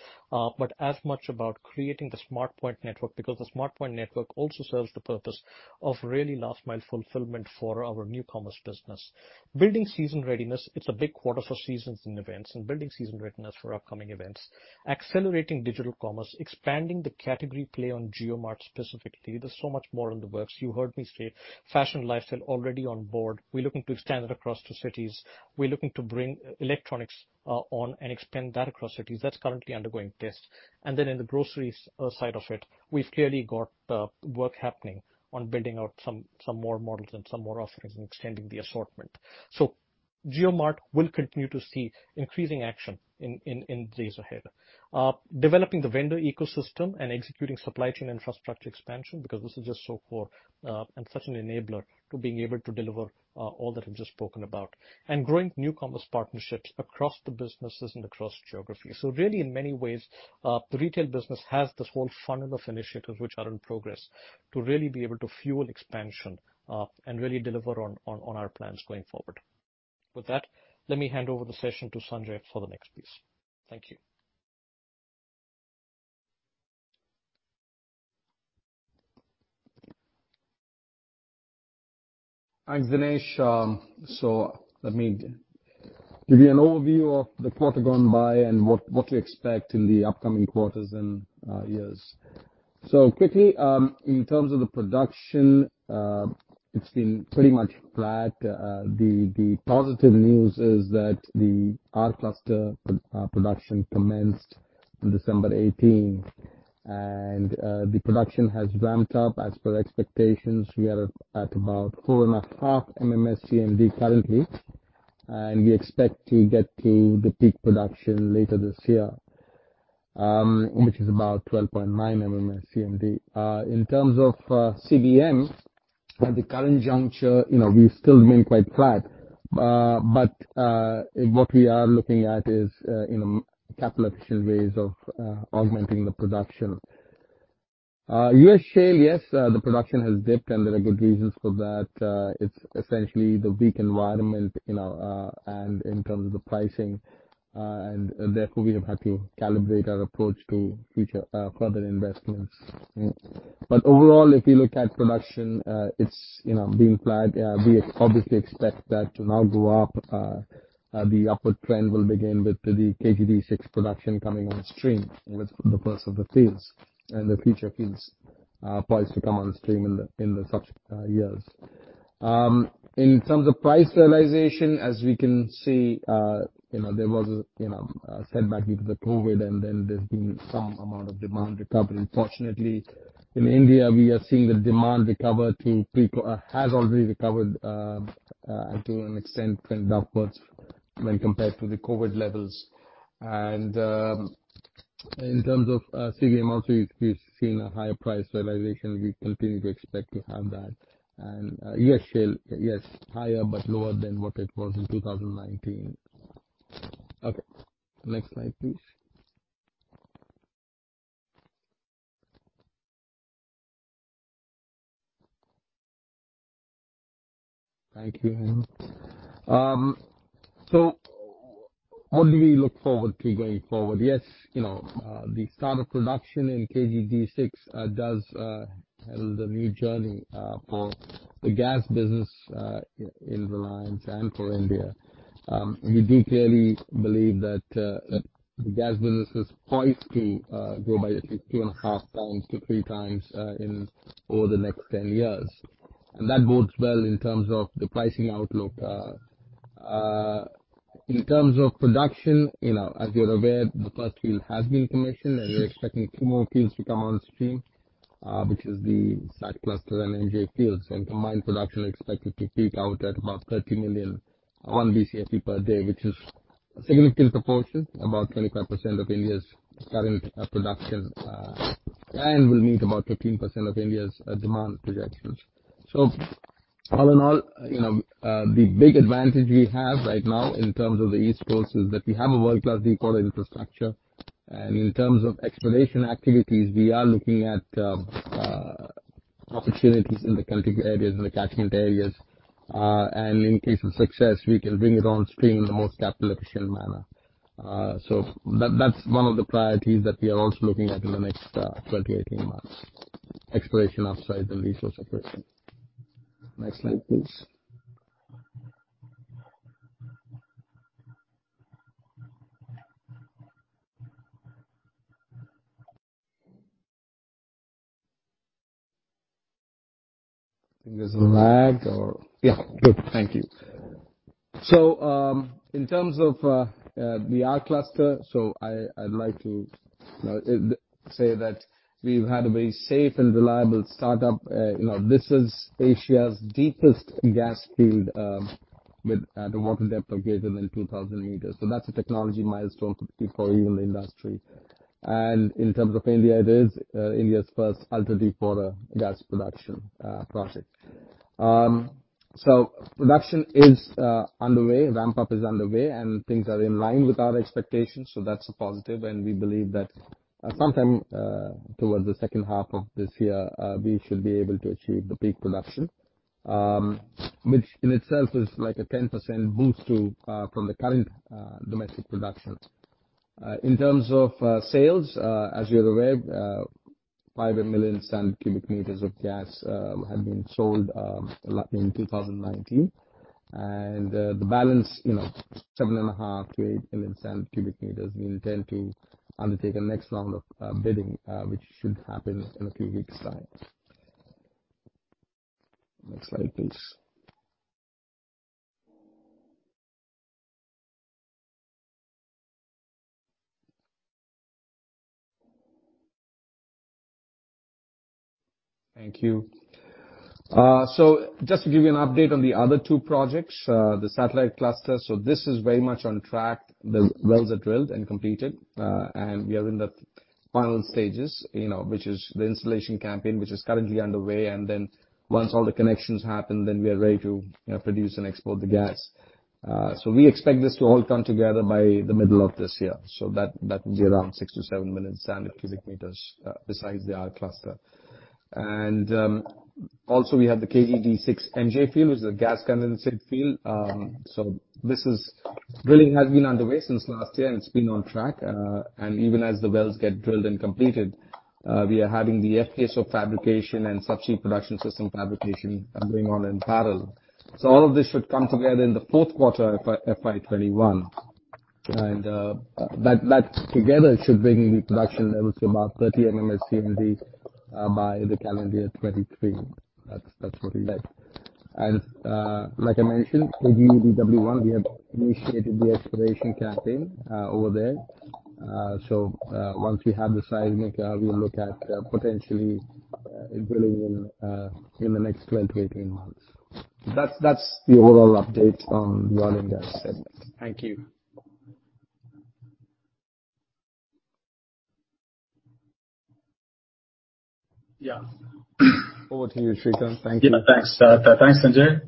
As much about creating the Smart Point network, because the Smart Point network also serves the purpose of really last mile fulfillment for our New Commerce business. Building season readiness, it's a big quarter for seasons and events, building season readiness for upcoming events, accelerating digital commerce, expanding the category play on JioMart specifically. There's so much more in the works. You heard me say fashion lifestyle already on board. We're looking to extend that across to cities. We're looking to bring electronics on and expand that across cities. That's currently undergoing test. In the groceries side of it, we've clearly got work happening on building out some more models and some more offerings and extending the assortment. JioMart will continue to see increasing action in days ahead. Developing the vendor ecosystem and executing supply chain infrastructure expansion, because this is just so core, and such an enabler to being able to deliver all that I've just spoken about. Growing New Commerce partnerships across the businesses and across geographies. Really, in many ways, the retail business has this whole funnel of initiatives which are in progress to really be able to fuel expansion, and really deliver on our plans going forward. With that, let me hand over the session to Sanjay for the next piece. Thank you. Thanks, Dinesh. Let me give you an overview of the quarter gone by and what to expect in the upcoming quarters and years. Quickly, in terms of the production, it's been pretty much flat. The positive news is that the R-Cluster production commenced on December 18t-, and the production has ramped up as per expectations. We are at about 4.5 MMSCMD currently, and we expect to get to the peak production later this year, which is about 12.9 MMSCMD. In terms of CBM, at the current juncture, we've still been quite flat. What we are looking at is capital efficient ways of augmenting the production. US shale, yes, the production has dipped and there are good reasons for that. It's essentially the weak environment, in terms of the pricing, therefore we have had to calibrate our approach to future further investments. Overall, if you look at production, it's being flat. We obviously expect that to now go up. The upward trend will begin with the KG-D6 production coming on stream with the first of the fields and the future fields poised to come on stream in the subsequent years. In terms of price realization, as we can see, there was a setback due to the COVID, then there's been some amount of demand recovery. Fortunately, in India, we are seeing the demand recover to has already recovered, to an extent trend upwards when compared to the COVID levels. In terms of CBM, also, we've seen a higher price realization. We continue to expect to have that. U.S. shale, yes, higher, but lower than what it was in 2019. Okay, next slide, please. Thank you. What do we look forward to going forward? Yes, the start of production in KG-D6 does herald a new journey for the gas business in Reliance and for India. We do clearly believe that the gas business is poised to grow by at least two and a half times to three times over the next 10 years. That bodes well in terms of the pricing outlook. In terms of production, as you're aware, the first field has been commissioned. We're expecting two more fields to come on stream, which is the Satellite Cluster and MJ fields. Combined production expected to peak out at about 30 million, 1 BCFE per day, which is a significant proportion, about 25% of India's current production, and will meet about 15% of India's demand projections. All in all, the big advantage we have right now in terms of the East Coast is that we have a world-class deepwater infrastructure, and in terms of exploration activities, we are looking at opportunities in the Coptic areas and the catchment areas. In case of success, we can bring it on stream in the most capital efficient manner. That's one of the priorities that we are also looking at in the next 20, 18 months, exploration upside and resource operation. Next slide, please. I think there's a lag or. Yeah, good. Thank you. In terms of the R-cluster, I'd like to say that we've had a very safe and reliable startup. This is Asia's deepest gas field at a water depth greater than 2,000 meters. That's a technology milestone for the oil industry. In terms of India, it is India's first ultra-deepwater gas production project. Production is underway, ramp-up is underway, and things are in line with our expectations. That's a positive, and we believe that sometime towards the second half of this year, we should be able to achieve the peak production, which in itself is like a 10% boost from the current domestic production. In terms of sales, as you're aware, 5 million standard cubic meters of gas have been sold in 2019. The balance, 7.5 million to 8 million standard cubic meters, we intend to undertake a next round of bidding, which should happen in a few weeks' time. Next slide, please. Thank you. Just to give you an update on the other two projects, the Satellite Cluster. This is very much on track. The wells are drilled and completed, and we are in the final stages, which is the installation campaign, which is currently underway. Once all the connections happen, then we are ready to produce and export the gas. We expect this to all come together by the middle of this year. That will be around 6 million to 7 million standard cubic meters besides the R Cluster. We have the KG-D6 MJ field, which is a gas condensate field. Drilling has been underway since last year, and it's been on track. Even as the wells get drilled and completed, we are having the FPSO fabrication and subsea production system fabrication going on in parallel. All of this should come together in the fourth quarter FY 2021. That together should bring the production level to about 30 MMSCMD by the calendar year 2023. That's what we like. Like I mentioned, KG-DW-1, we have initiated the exploration campaign over there. Once we have the seismic, we'll look at potentially drilling in the next 12 to 18 months. That's the overall update on the oil and gas segment. Thank you. Yeah. Over to you, Srikanth. Thank you. Yeah. Thanks, Sanjay.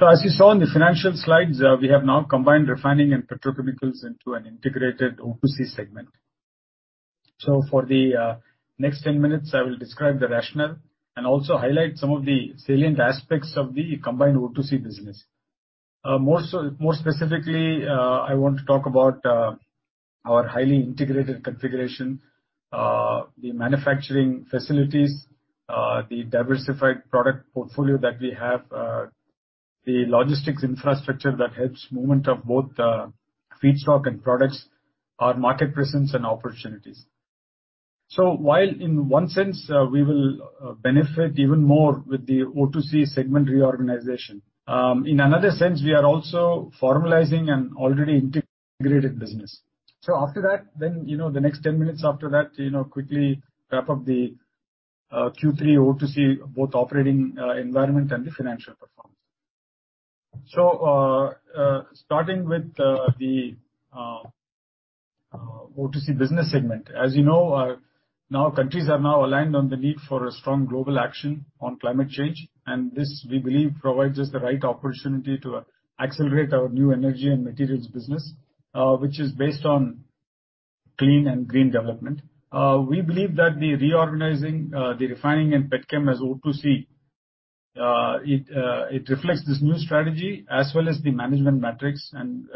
As you saw in the financial slides, we have now combined refining and petrochemicals into an integrated O2C segment. For the next 10 minutes, I will describe the rationale and also highlight some of the salient aspects of the combined O2C business. More specifically, I want to talk about our highly integrated configuration, the manufacturing facilities, the diversified product portfolio that we have, the logistics infrastructure that helps movement of both feedstock and products, our market presence and opportunities. While in one sense we will benefit even more with the O2C segment reorganization, in another sense, we are also formalizing an already integrated business. After that, the next 10 minutes after that, quickly wrap up the Q3 O2C, both operating environment and the financial performance. Starting with the O2C business segment. As you know, now countries have now aligned on the need for a strong global action on climate change, this, we believe, provides us the right opportunity to accelerate our new energy and materials business, which is based on clean and green development. We believe that the reorganizing, the refining and petchem as O2C, it reflects this new strategy as well as the management metrics and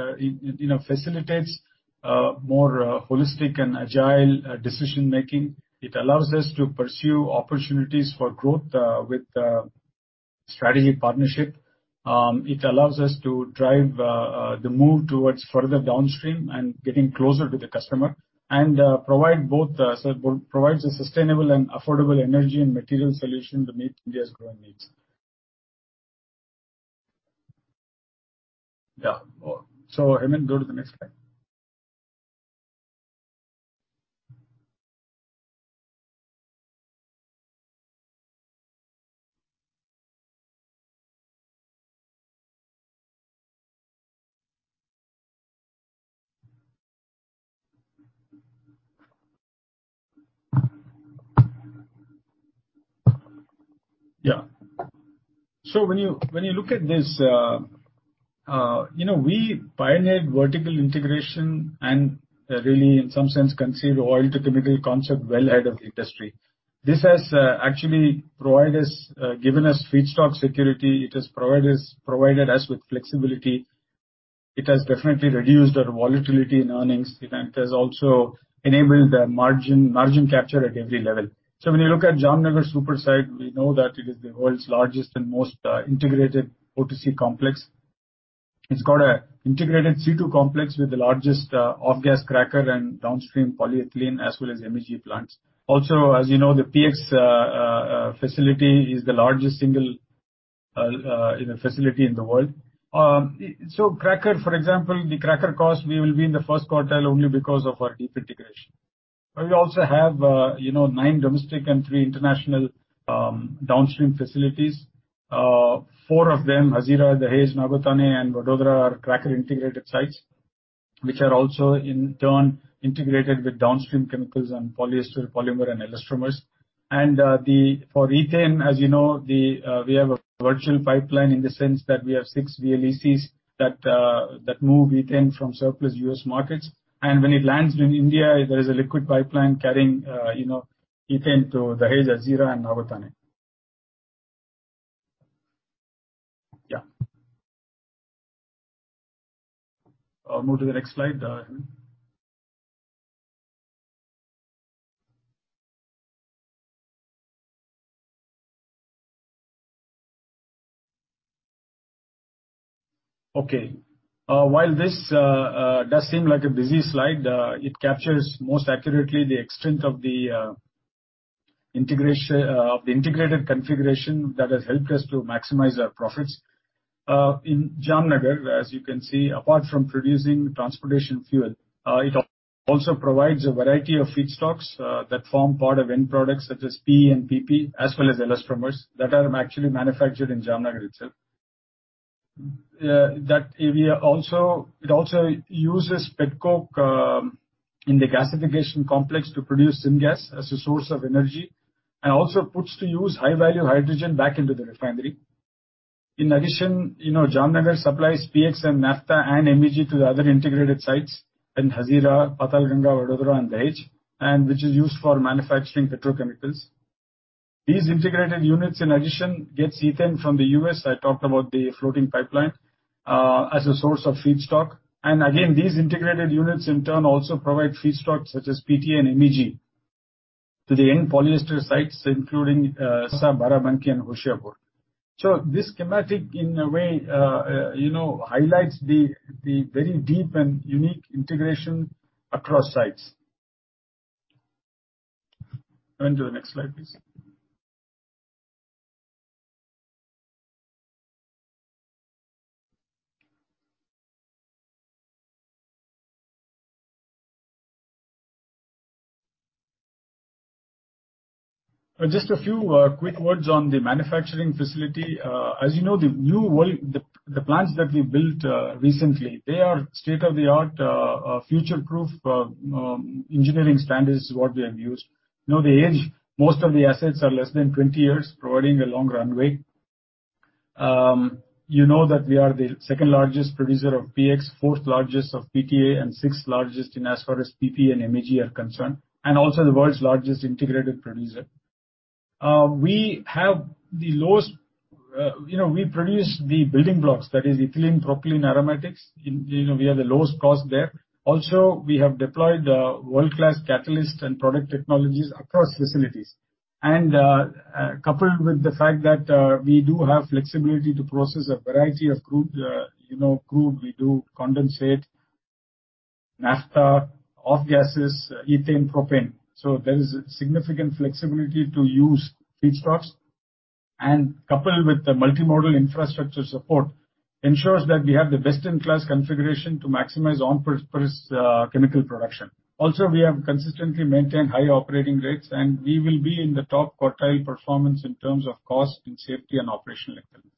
facilitates more holistic and agile decision making. It allows us to pursue opportunities for growth with strategic partnership. It allows us to drive the move towards further downstream and getting closer to the customer, provides a sustainable and affordable energy and material solution to meet India's growing needs. Hemant, go to the next slide. When you look at this, we pioneered vertical integration and really in some sense conceived oil to chemical concept well ahead of the industry. This has actually given us feedstock security. It has provided us with flexibility. It has definitely reduced our volatility in earnings. It has also enabled the margin capture at every level. When you look at Jamnagar super site, we know that it is the world's largest and most integrated O2C complex. It's got an integrated C2 complex with the largest off-gas cracker and downstream polyethylene as well as MEG plants. Also, as you know, the PX facility is the largest singleIn a facility in the world. The cracker cost, we will be in the first quartile only because of our deep integration. We also have nine domestic and three international downstream facilities. Four of them, Hazira, Dahej, Nagothane, and Vadodara, are cracker integrated sites, which are also in turn integrated with downstream chemicals and polyester, polymer, and elastomers. For ethane, as you know, we have a virtual pipeline in the sense that we have six VLECs that move ethane from surplus U.S. markets. When it lands in India, there is a liquid pipeline carrying ethane to Dahej, Hazira, and Nagothane. I'll move to the next slide. While this does seem like a busy slide, it captures most accurately the extent of the integrated configuration that has helped us to maximize our profits. In Jamnagar, as you can see, apart from producing transportation fuel, it also provides a variety of feedstocks that form part of end products such as PE and PP, as well as elastomers that are actually manufactured in Jamnagar itself. It also uses petcoke in the gasification complex to produce syngas as a source of energy, and also puts to use high-value hydrogen back into the refinery. In addition, Jamnagar supplies PX and Naphtha and MEG to the other integrated sites in Hazira, Patalganga, Vadodara, and Dahej, which is used for manufacturing petrochemicals. These integrated units, in addition, gets ethane from the U.S., I talked about the floating pipeline, as a source of feedstock. Again, these integrated units in turn also provide feedstocks such as PTA and MEG to the end polyester sites, including Silvassa, Barabanki, and Hoshiarpur. This schematic, in a way, highlights the very deep and unique integration across sites. Go on to the next slide, please. Just a few quick words on the manufacturing facility. As you know, the plants that we built recently, they are state-of-the-art, future-proof engineering standards is what we have used. Most of the assets are less than 20 years, providing a long runway. You know that we are the second largest producer of PX, fourth largest of PTA, and sixth largest as far as PP and MEG are concerned, and also the world's largest integrated producer. We produce the building blocks, that is ethylene, propylene, aromatics. We have the lowest cost there. Also, we have deployed world-class catalyst and product technologies across facilities. Coupled with the fact that we do have flexibility to process a variety of crude. We do condensate, naphtha, off-gases, ethane, propane. There is a significant flexibility to use feedstocks. Coupled with the multimodal infrastructure support, ensures that we have the best-in-class configuration to maximize on-purpose chemical production. Also, we have consistently maintained high operating rates, and we will be in the top quartile performance in terms of cost and safety and operational excellence.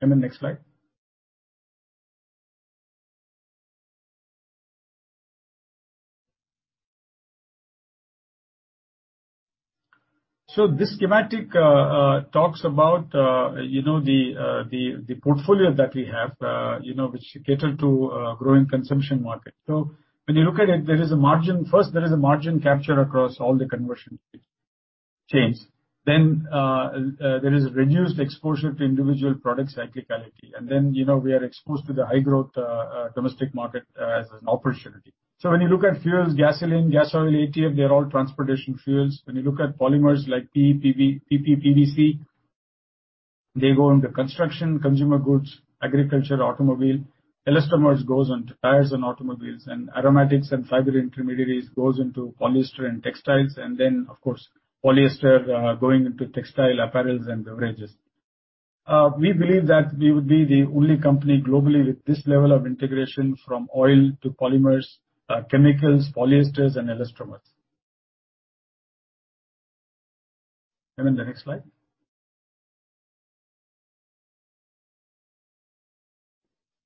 The next slide. This schematic talks about the portfolio that we have, which cater to a growing consumption market. When you look at it, first, there is a margin capture across all the conversion chains. There is a reduced exposure to individual product cyclicality. We are exposed to the high growth domestic market as an opportunity. When you look at fuels, gasoline, gas oil, ATF, they're all transportation fuels. When you look at polymers like PE, PP, PVC, they go into construction, consumer goods, agriculture, automobile. Elastomers goes on to tires and automobiles. Aromatics and fiber intermediaries goes into polyester and textiles, of course, polyester going into textile apparels and beverages. We believe that we would be the only company globally with this level of integration from oil to polymers, chemicals, polyesters and elastomers. The next slide.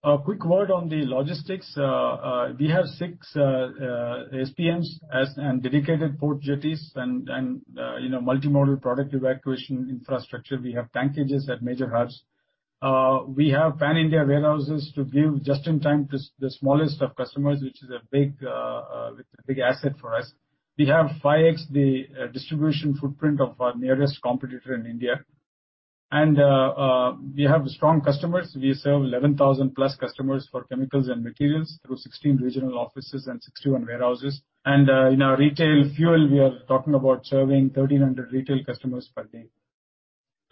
A quick word on the logistics. We have six SPM's and dedicated port jetties and multimodal product evacuation infrastructure. We have tankages at major hubs. We have pan-India warehouses to give just-in-time to the smallest of customers, which is a big asset for us. We have 5x the distribution footprint of our nearest competitor in India. We have strong customers. We serve 11,000 plus customers for chemicals and materials through 16 regional offices and 61 warehouses. In our retail fuel, we are talking about serving 1,300 retail customers per day.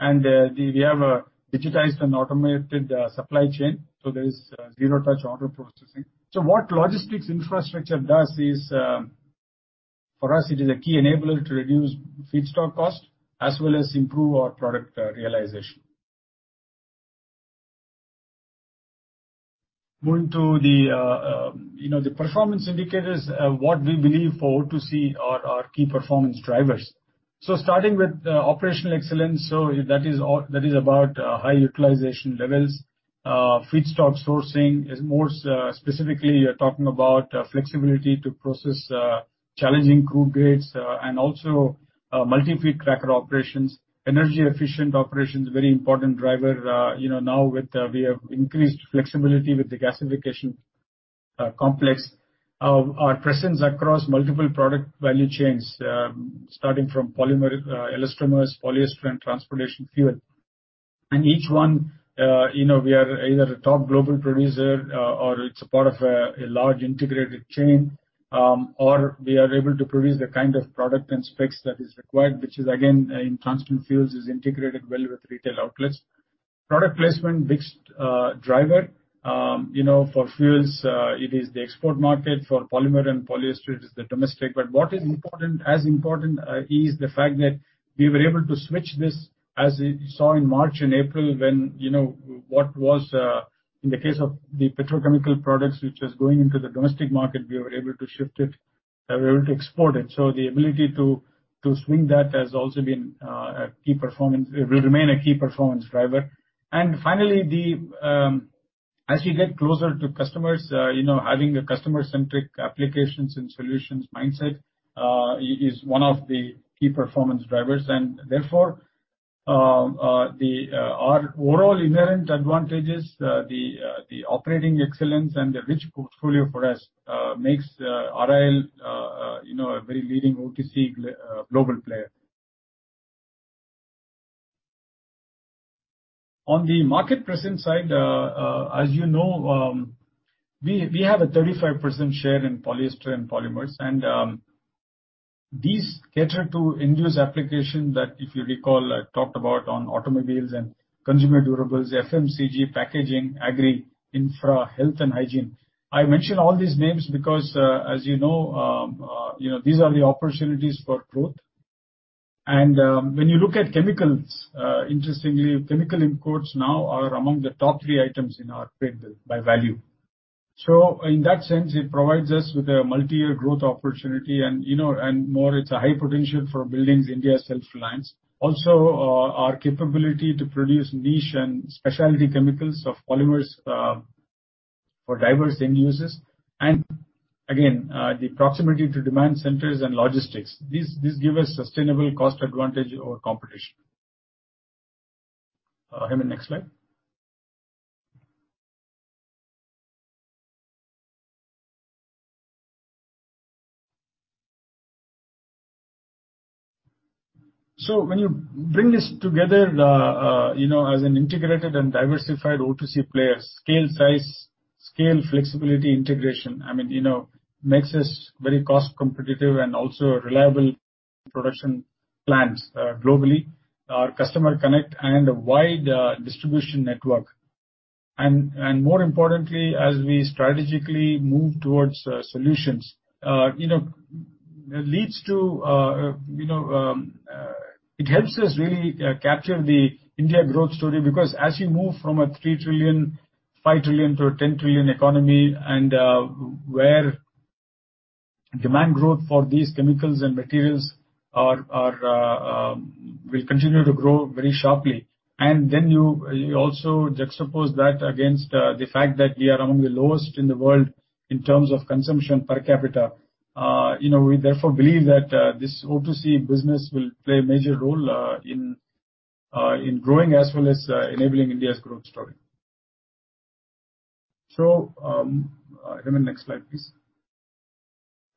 We have a digitized and automated supply chain, so there is zero touch order processing. What logistics infrastructure does is, for us, it is a key enabler to reduce feedstock cost, as well as improve our product realization. Moving to the performance indicators, what we believe for O2C are our key performance drivers. Starting with operational excellence. That is about high utilization levels. Feedstock sourcing is more specifically talking about flexibility to process challenging crude grades, and also multi-feed cracker operations. Energy efficient operations, very important driver. Now, we have increased flexibility with the gasification complex. Our presence across multiple product value chains, starting from polymer, elastomers, polyester, and transportation fuel. Each one, we are either a top global producer, or it's a part of a large integrated chain, or we are able to produce the kind of product and specs that is required, which is again, in transportation fuels, is integrated well with retail outlets. Product placement, big driver. For fuels, it is the export market. For polymer and polyester, it is the domestic. What is as important, is the fact that we were able to switch this, as you saw in March and April when, what was in the case of the petrochemical products, which was going into the domestic market, we were able to export it. The ability to swing that will remain a key performance driver. Finally, as we get closer to customers, having a customer-centric applications and solutions mindset, is one of the key performance drivers. Therefore, our overall inherent advantages, the operating excellence, and the rich portfolio for us, makes RIL a very leading O2C global player. On the market presence side, as you know, we have a 35% share in polyester and polymers, and these cater to end-use application that, if you recall, I talked about on automobiles and consumer durables, FMCG, packaging, agri, infra, health and hygiene. I mention all these names because, as you know, these are the opportunities for growth. When you look at chemicals, interestingly, chemical imports now are among the top three items in our trade by value. In that sense, it provides us with a multi-year growth opportunity, and more, it's a high potential for building India self-reliance. Also, our capability to produce niche and specialty chemicals of polymers for diverse end users. Again, the proximity to demand centers and logistics. These give us sustainable cost advantage over competition. Hemant, next slide. When you bring this together, as an integrated and diversified O2C player, scale, size, scale flexibility, integration, makes us very cost competitive and also a reliable production plans globally. Our customer connect and a wide distribution network. More importantly, as we strategically move towards solutions, it helps us really capture the India growth story. As you move from a 3 trillion, 5 trillion to a 10 trillion economy, where demand growth for these chemicals and materials will continue to grow very sharply. You also juxtapose that against the fact that we are among the lowest in the world in terms of consumption per capita. We therefore believe that this O2C business will play a major role in growing as well as enabling India's growth story. Hemant, next slide, please.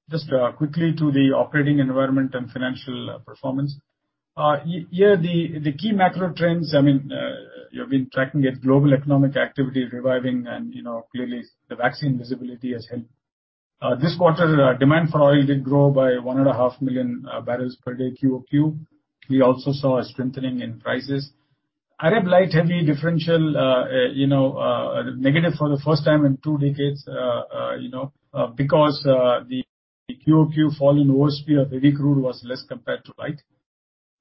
Just quickly to the operating environment and financial performance. Here, the key macro trends, you've been tracking it, global economic activity reviving and clearly the vaccine visibility has helped. This quarter, demand for oil did grow by 1.5 million barrels per day QOQ. We also saw a strengthening in prices. Arab Light-Heavy differential negative for the first time in two decades, because the QOQ fall in OSP of heavy crude was less compared to light.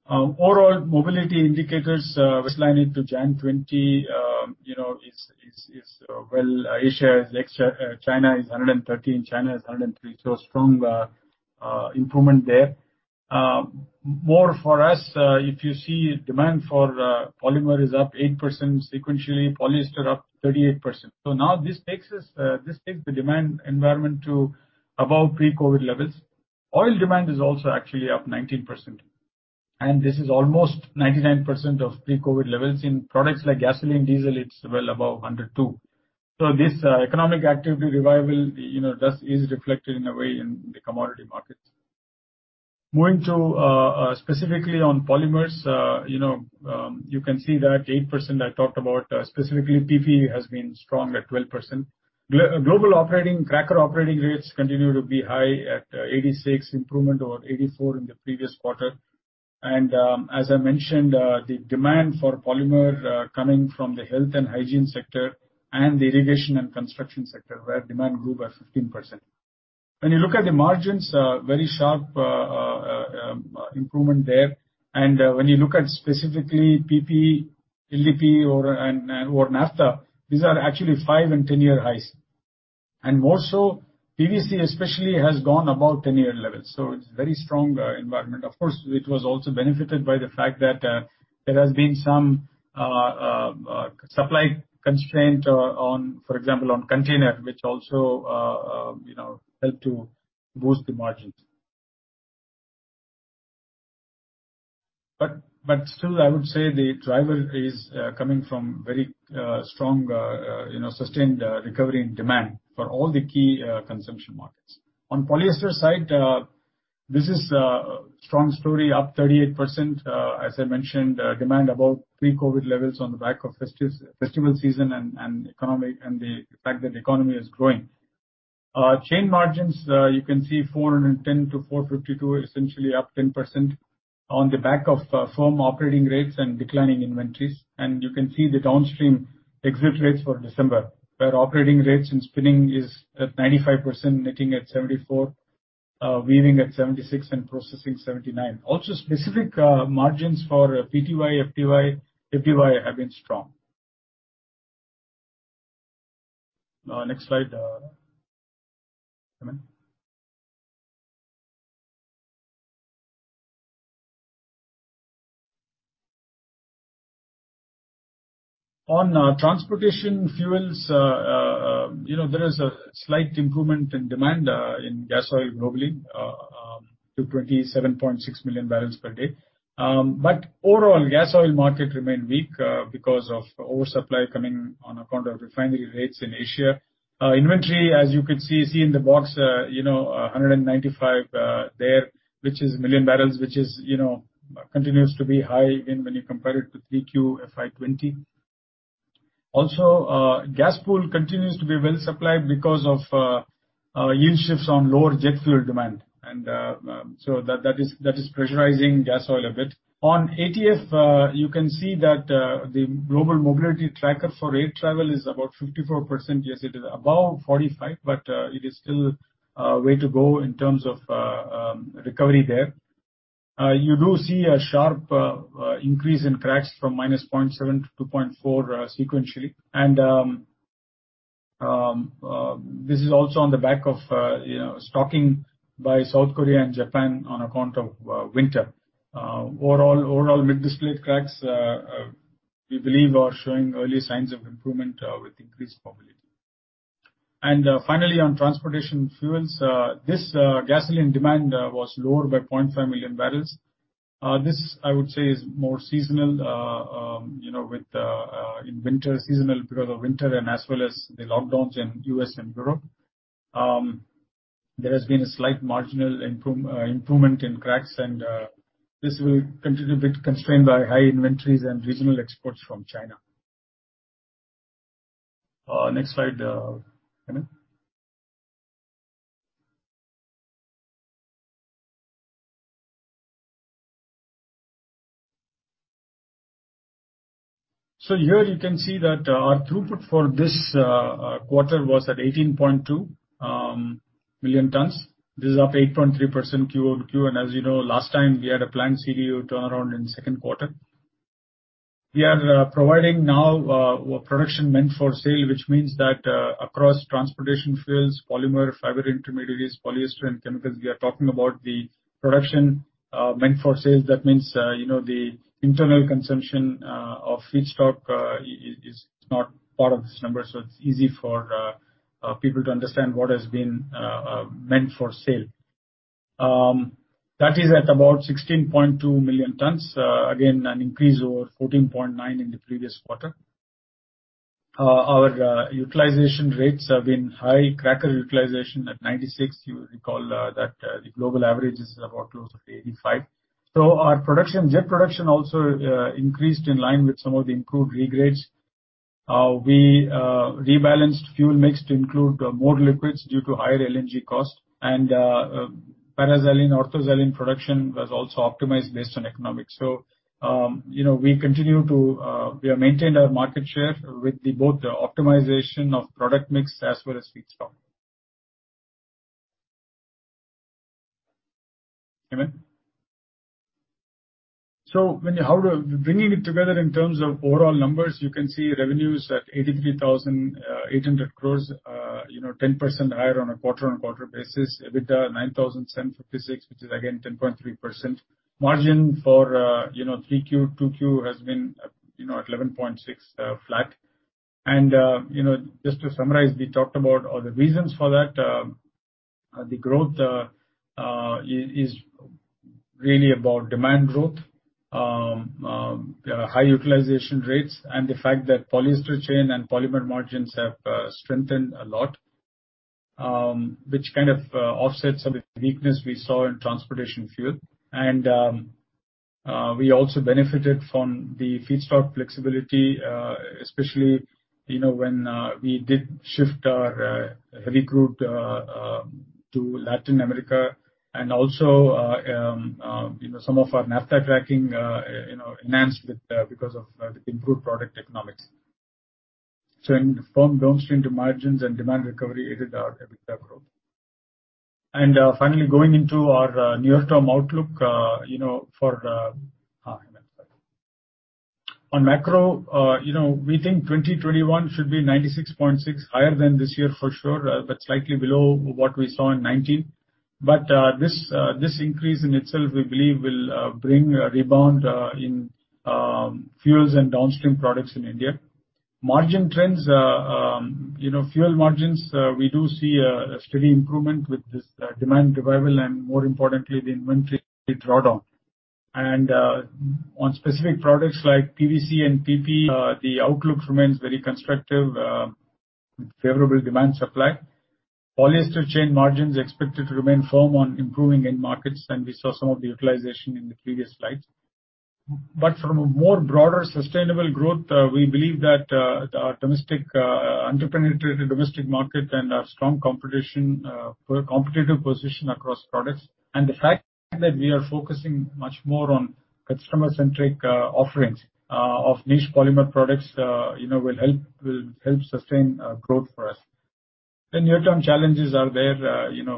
Overall mobility indicators, baseline into January 2020, Asia is X, China is 113, China is 103, strong improvement there. More for us, if you see, demand for polymer is up 8% sequentially, polyester up 38%. Now this takes the demand environment to above pre-COVID levels. Oil demand is also actually up 19%, this is almost 99% of pre-COVID levels. In products like gasoline, diesel, it's well above 102. This economic activity revival, is reflected in a way in the commodity markets. Moving to specifically on polymers. You can see that 8% I talked about, specifically PP has been strong at 12%. Global cracker operating rates continue to be high at 86%, improvement over 84% in the previous quarter. As I mentioned, the demand for polymer coming from the health and hygiene sector and the irrigation and construction sector, where demand grew by 15%. When you look at the margins, very sharp improvement there. When you look at specifically PP, LDPE or naphtha, these are actually five and 10-year highs. More so, PVC especially has gone above 10-year levels. It's very strong environment. Of course, it was also benefited by the fact that there has been some supply constraint, for example, on container, which also helped to boost the margins. Still, I would say the driver is coming from very strong, sustained recovery in demand for all the key consumption markets. On polyester side, this is a strong story, up 38%, as I mentioned, demand above pre-COVID levels on the back of festival season and the fact that the economy is growing. Chain margins, you can see $410-$452, essentially up 10% on the back of firm operating rates and declining inventories. You can see the downstream exit rates for December, where operating rates in spinning is at 95%, knitting at 74, weaving at 76 and processing 79. Also, specific margins for POY, FDY, FPY have been strong. Next slide, Hemant. On transportation fuels, there is a slight improvement in demand in gas oil globally to 27.6 million barrels per day. Overall, gas oil market remained weak because of oversupply coming on account of refinery rates in Asia. Inventory, as you could see in the box, 195 there, which is million barrels, which continues to be high when you compare it to 3Q FY 2020. Gas pool continues to be well supplied because of yield shifts on lower jet fuel demand. That is pressurizing gas oil a bit. On ATF, you can see that the global mobility tracker for air travel is about 54%. Yes, it is above 45, it is still a way to go in terms of recovery there. You do see a sharp increase in cracks from -0.7 to 2.4 sequentially. This is also on the back of stocking by South Korea and Japan on account of winter. Overall mid distillate cracks, we believe are showing early signs of improvement with increased mobility. Finally, on transportation fuels, this gasoline demand was lower by 0.5 million barrels. This, I would say, is more seasonal because of winter as well as the lockdowns in U.S. and Europe. There has been a slight marginal improvement in cracks, and this will continue a bit constrained by high inventories and regional exports from China. Next slide, Hemant. Here you can see that our throughput for this quarter was at 18.2 million tons. This is up 8.3% QOQ. As you know, last time we had a planned CDU turnaround in second quarter. We are providing now production meant for sale, which means that across transportation fuels, polymer, fiber intermediaries, polyester and chemicals, we are talking about the production meant for sale. That means the internal consumption of feedstock is not part of this number. It's easy for people to understand what has been meant for sale. That is at about 16.2 million tons. An increase over 14.9 in the previous quarter. Our utilization rates have been high. Cracker utilization at 96. You recall that the global average is about close to 85. Our jet production also increased in line with some of the improved regrades. We rebalanced fuel mix to include more liquids due to higher LNG costs. Paraxylene, orthoxylene production was also optimized based on economics. We have maintained our market share with the both optimization of product mix as well as feedstock. Hemant. Bringing it together in terms of overall numbers, you can see revenues at 83,800 crores, 10% higher on a quarter-on-quarter basis. EBITDA 9,756, which is again 10.3%. Margin for 3Q, 2Q has been 11.6% flat. Just to summarize, we talked about all the reasons for that. The growth is really about demand growth, high utilization rates, and the fact that polyester chain and polymer margins have strengthened a lot, which kind of offsets some of the weakness we saw in transportation fuel. We also benefited from the feedstock flexibility, especially when we did shift our heavy crude to Latin America, and also some of our naphtha cracking enhanced because of the improved product economics. Firm downstream margins and demand recovery aided our EBITDA growth. Finally, going into our near-term outlook for macro, we think 2021 should be 96.6, higher than this year for sure but slightly below what we saw in 2019. This increase in itself, we believe, will bring a rebound in fuels and downstream products in India. Margin trends, fuel margins, we do see a steady improvement with this demand revival and more importantly, the inventory drawdown. On specific products like PVC and PP, the outlook remains very constructive with favorable demand supply. Polyester chain margins are expected to remain firm on improving end markets, and we saw some of the utilization in the previous slides. From a more broader sustainable growth, we believe that our under-penetrated domestic market and our strong competitive position across products, and the fact that we are focusing much more on customer-centric offerings of niche polymer products will help sustain growth for us. The near-term challenges are there,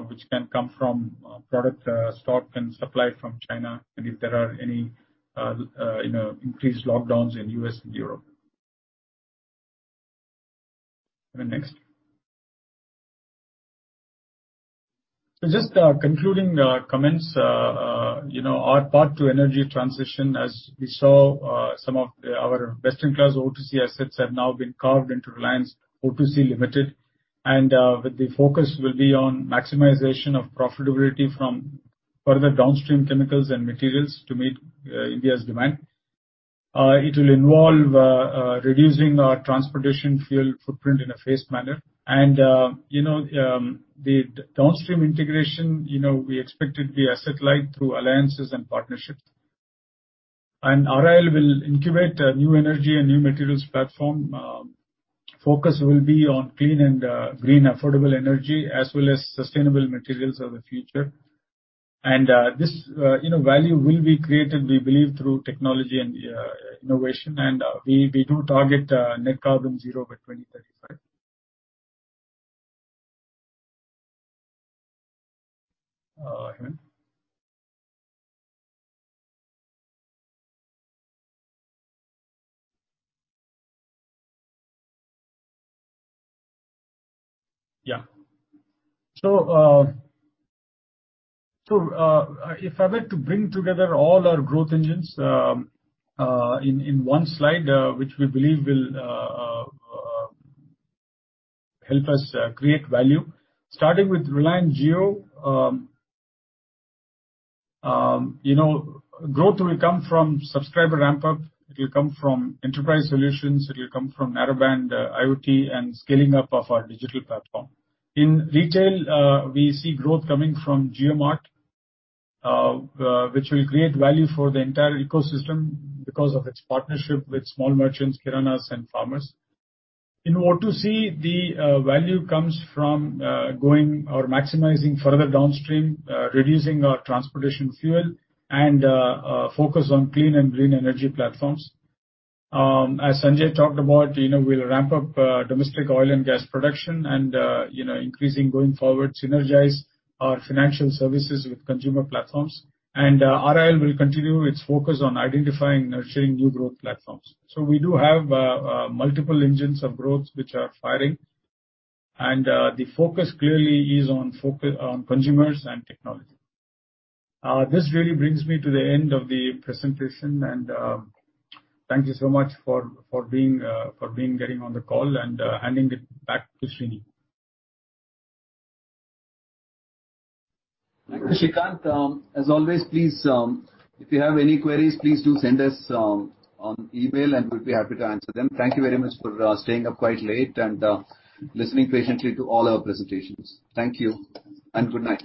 which can come from product stock and supply from China, and if there are any increased lockdowns in U.S. and Europe. Next. Just concluding comments. Our path to energy transition, as we saw some of our best-in-class O2C assets have now been carved into Reliance O2C Limited. The focus will be on maximization of profitability from further downstream chemicals and materials to meet India's demand. It will involve reducing our transportation fuel footprint in a phased manner. The downstream integration, we expect it to be asset-light through alliances and partnerships. RIL will incubate a new energy and new materials platform. Focus will be on clean and green affordable energy, as well as sustainable materials of the future. This value will be created, we believe, through technology and innovation. We do target net carbon zero by 2035. Yeah. If I were to bring together all our growth engines in one slide, which we believe will help us create value. Starting with Reliance Jio, growth will come from subscriber ramp-up, it will come from enterprise solutions, it will come from narrowband IoT and scaling up of our digital platform. In retail, we see growth coming from JioMart, which will create value for the entire ecosystem because of its partnership with small merchants, kiranas, and farmers. In O2C, the value comes from going or maximizing further downstream, reducing our transportation fuel, and a focus on clean and green energy platforms. As Sanjay talked about, we'll ramp up domestic oil and gas production and increasing going forward, synergize our financial services with consumer platforms. RIL will continue its focus on identifying, nurturing new growth platforms. We do have multiple engines of growth which are firing, and the focus clearly is on consumers and technology. This really brings me to the end of the presentation, and thank you so much for getting on the call, and handing it back to Srini. Thank you, Srikanth. As always, please, if you have any queries, please do send us on email, and we'll be happy to answer them. Thank you very much for staying up quite late and listening patiently to all our presentations. Thank you, and good night.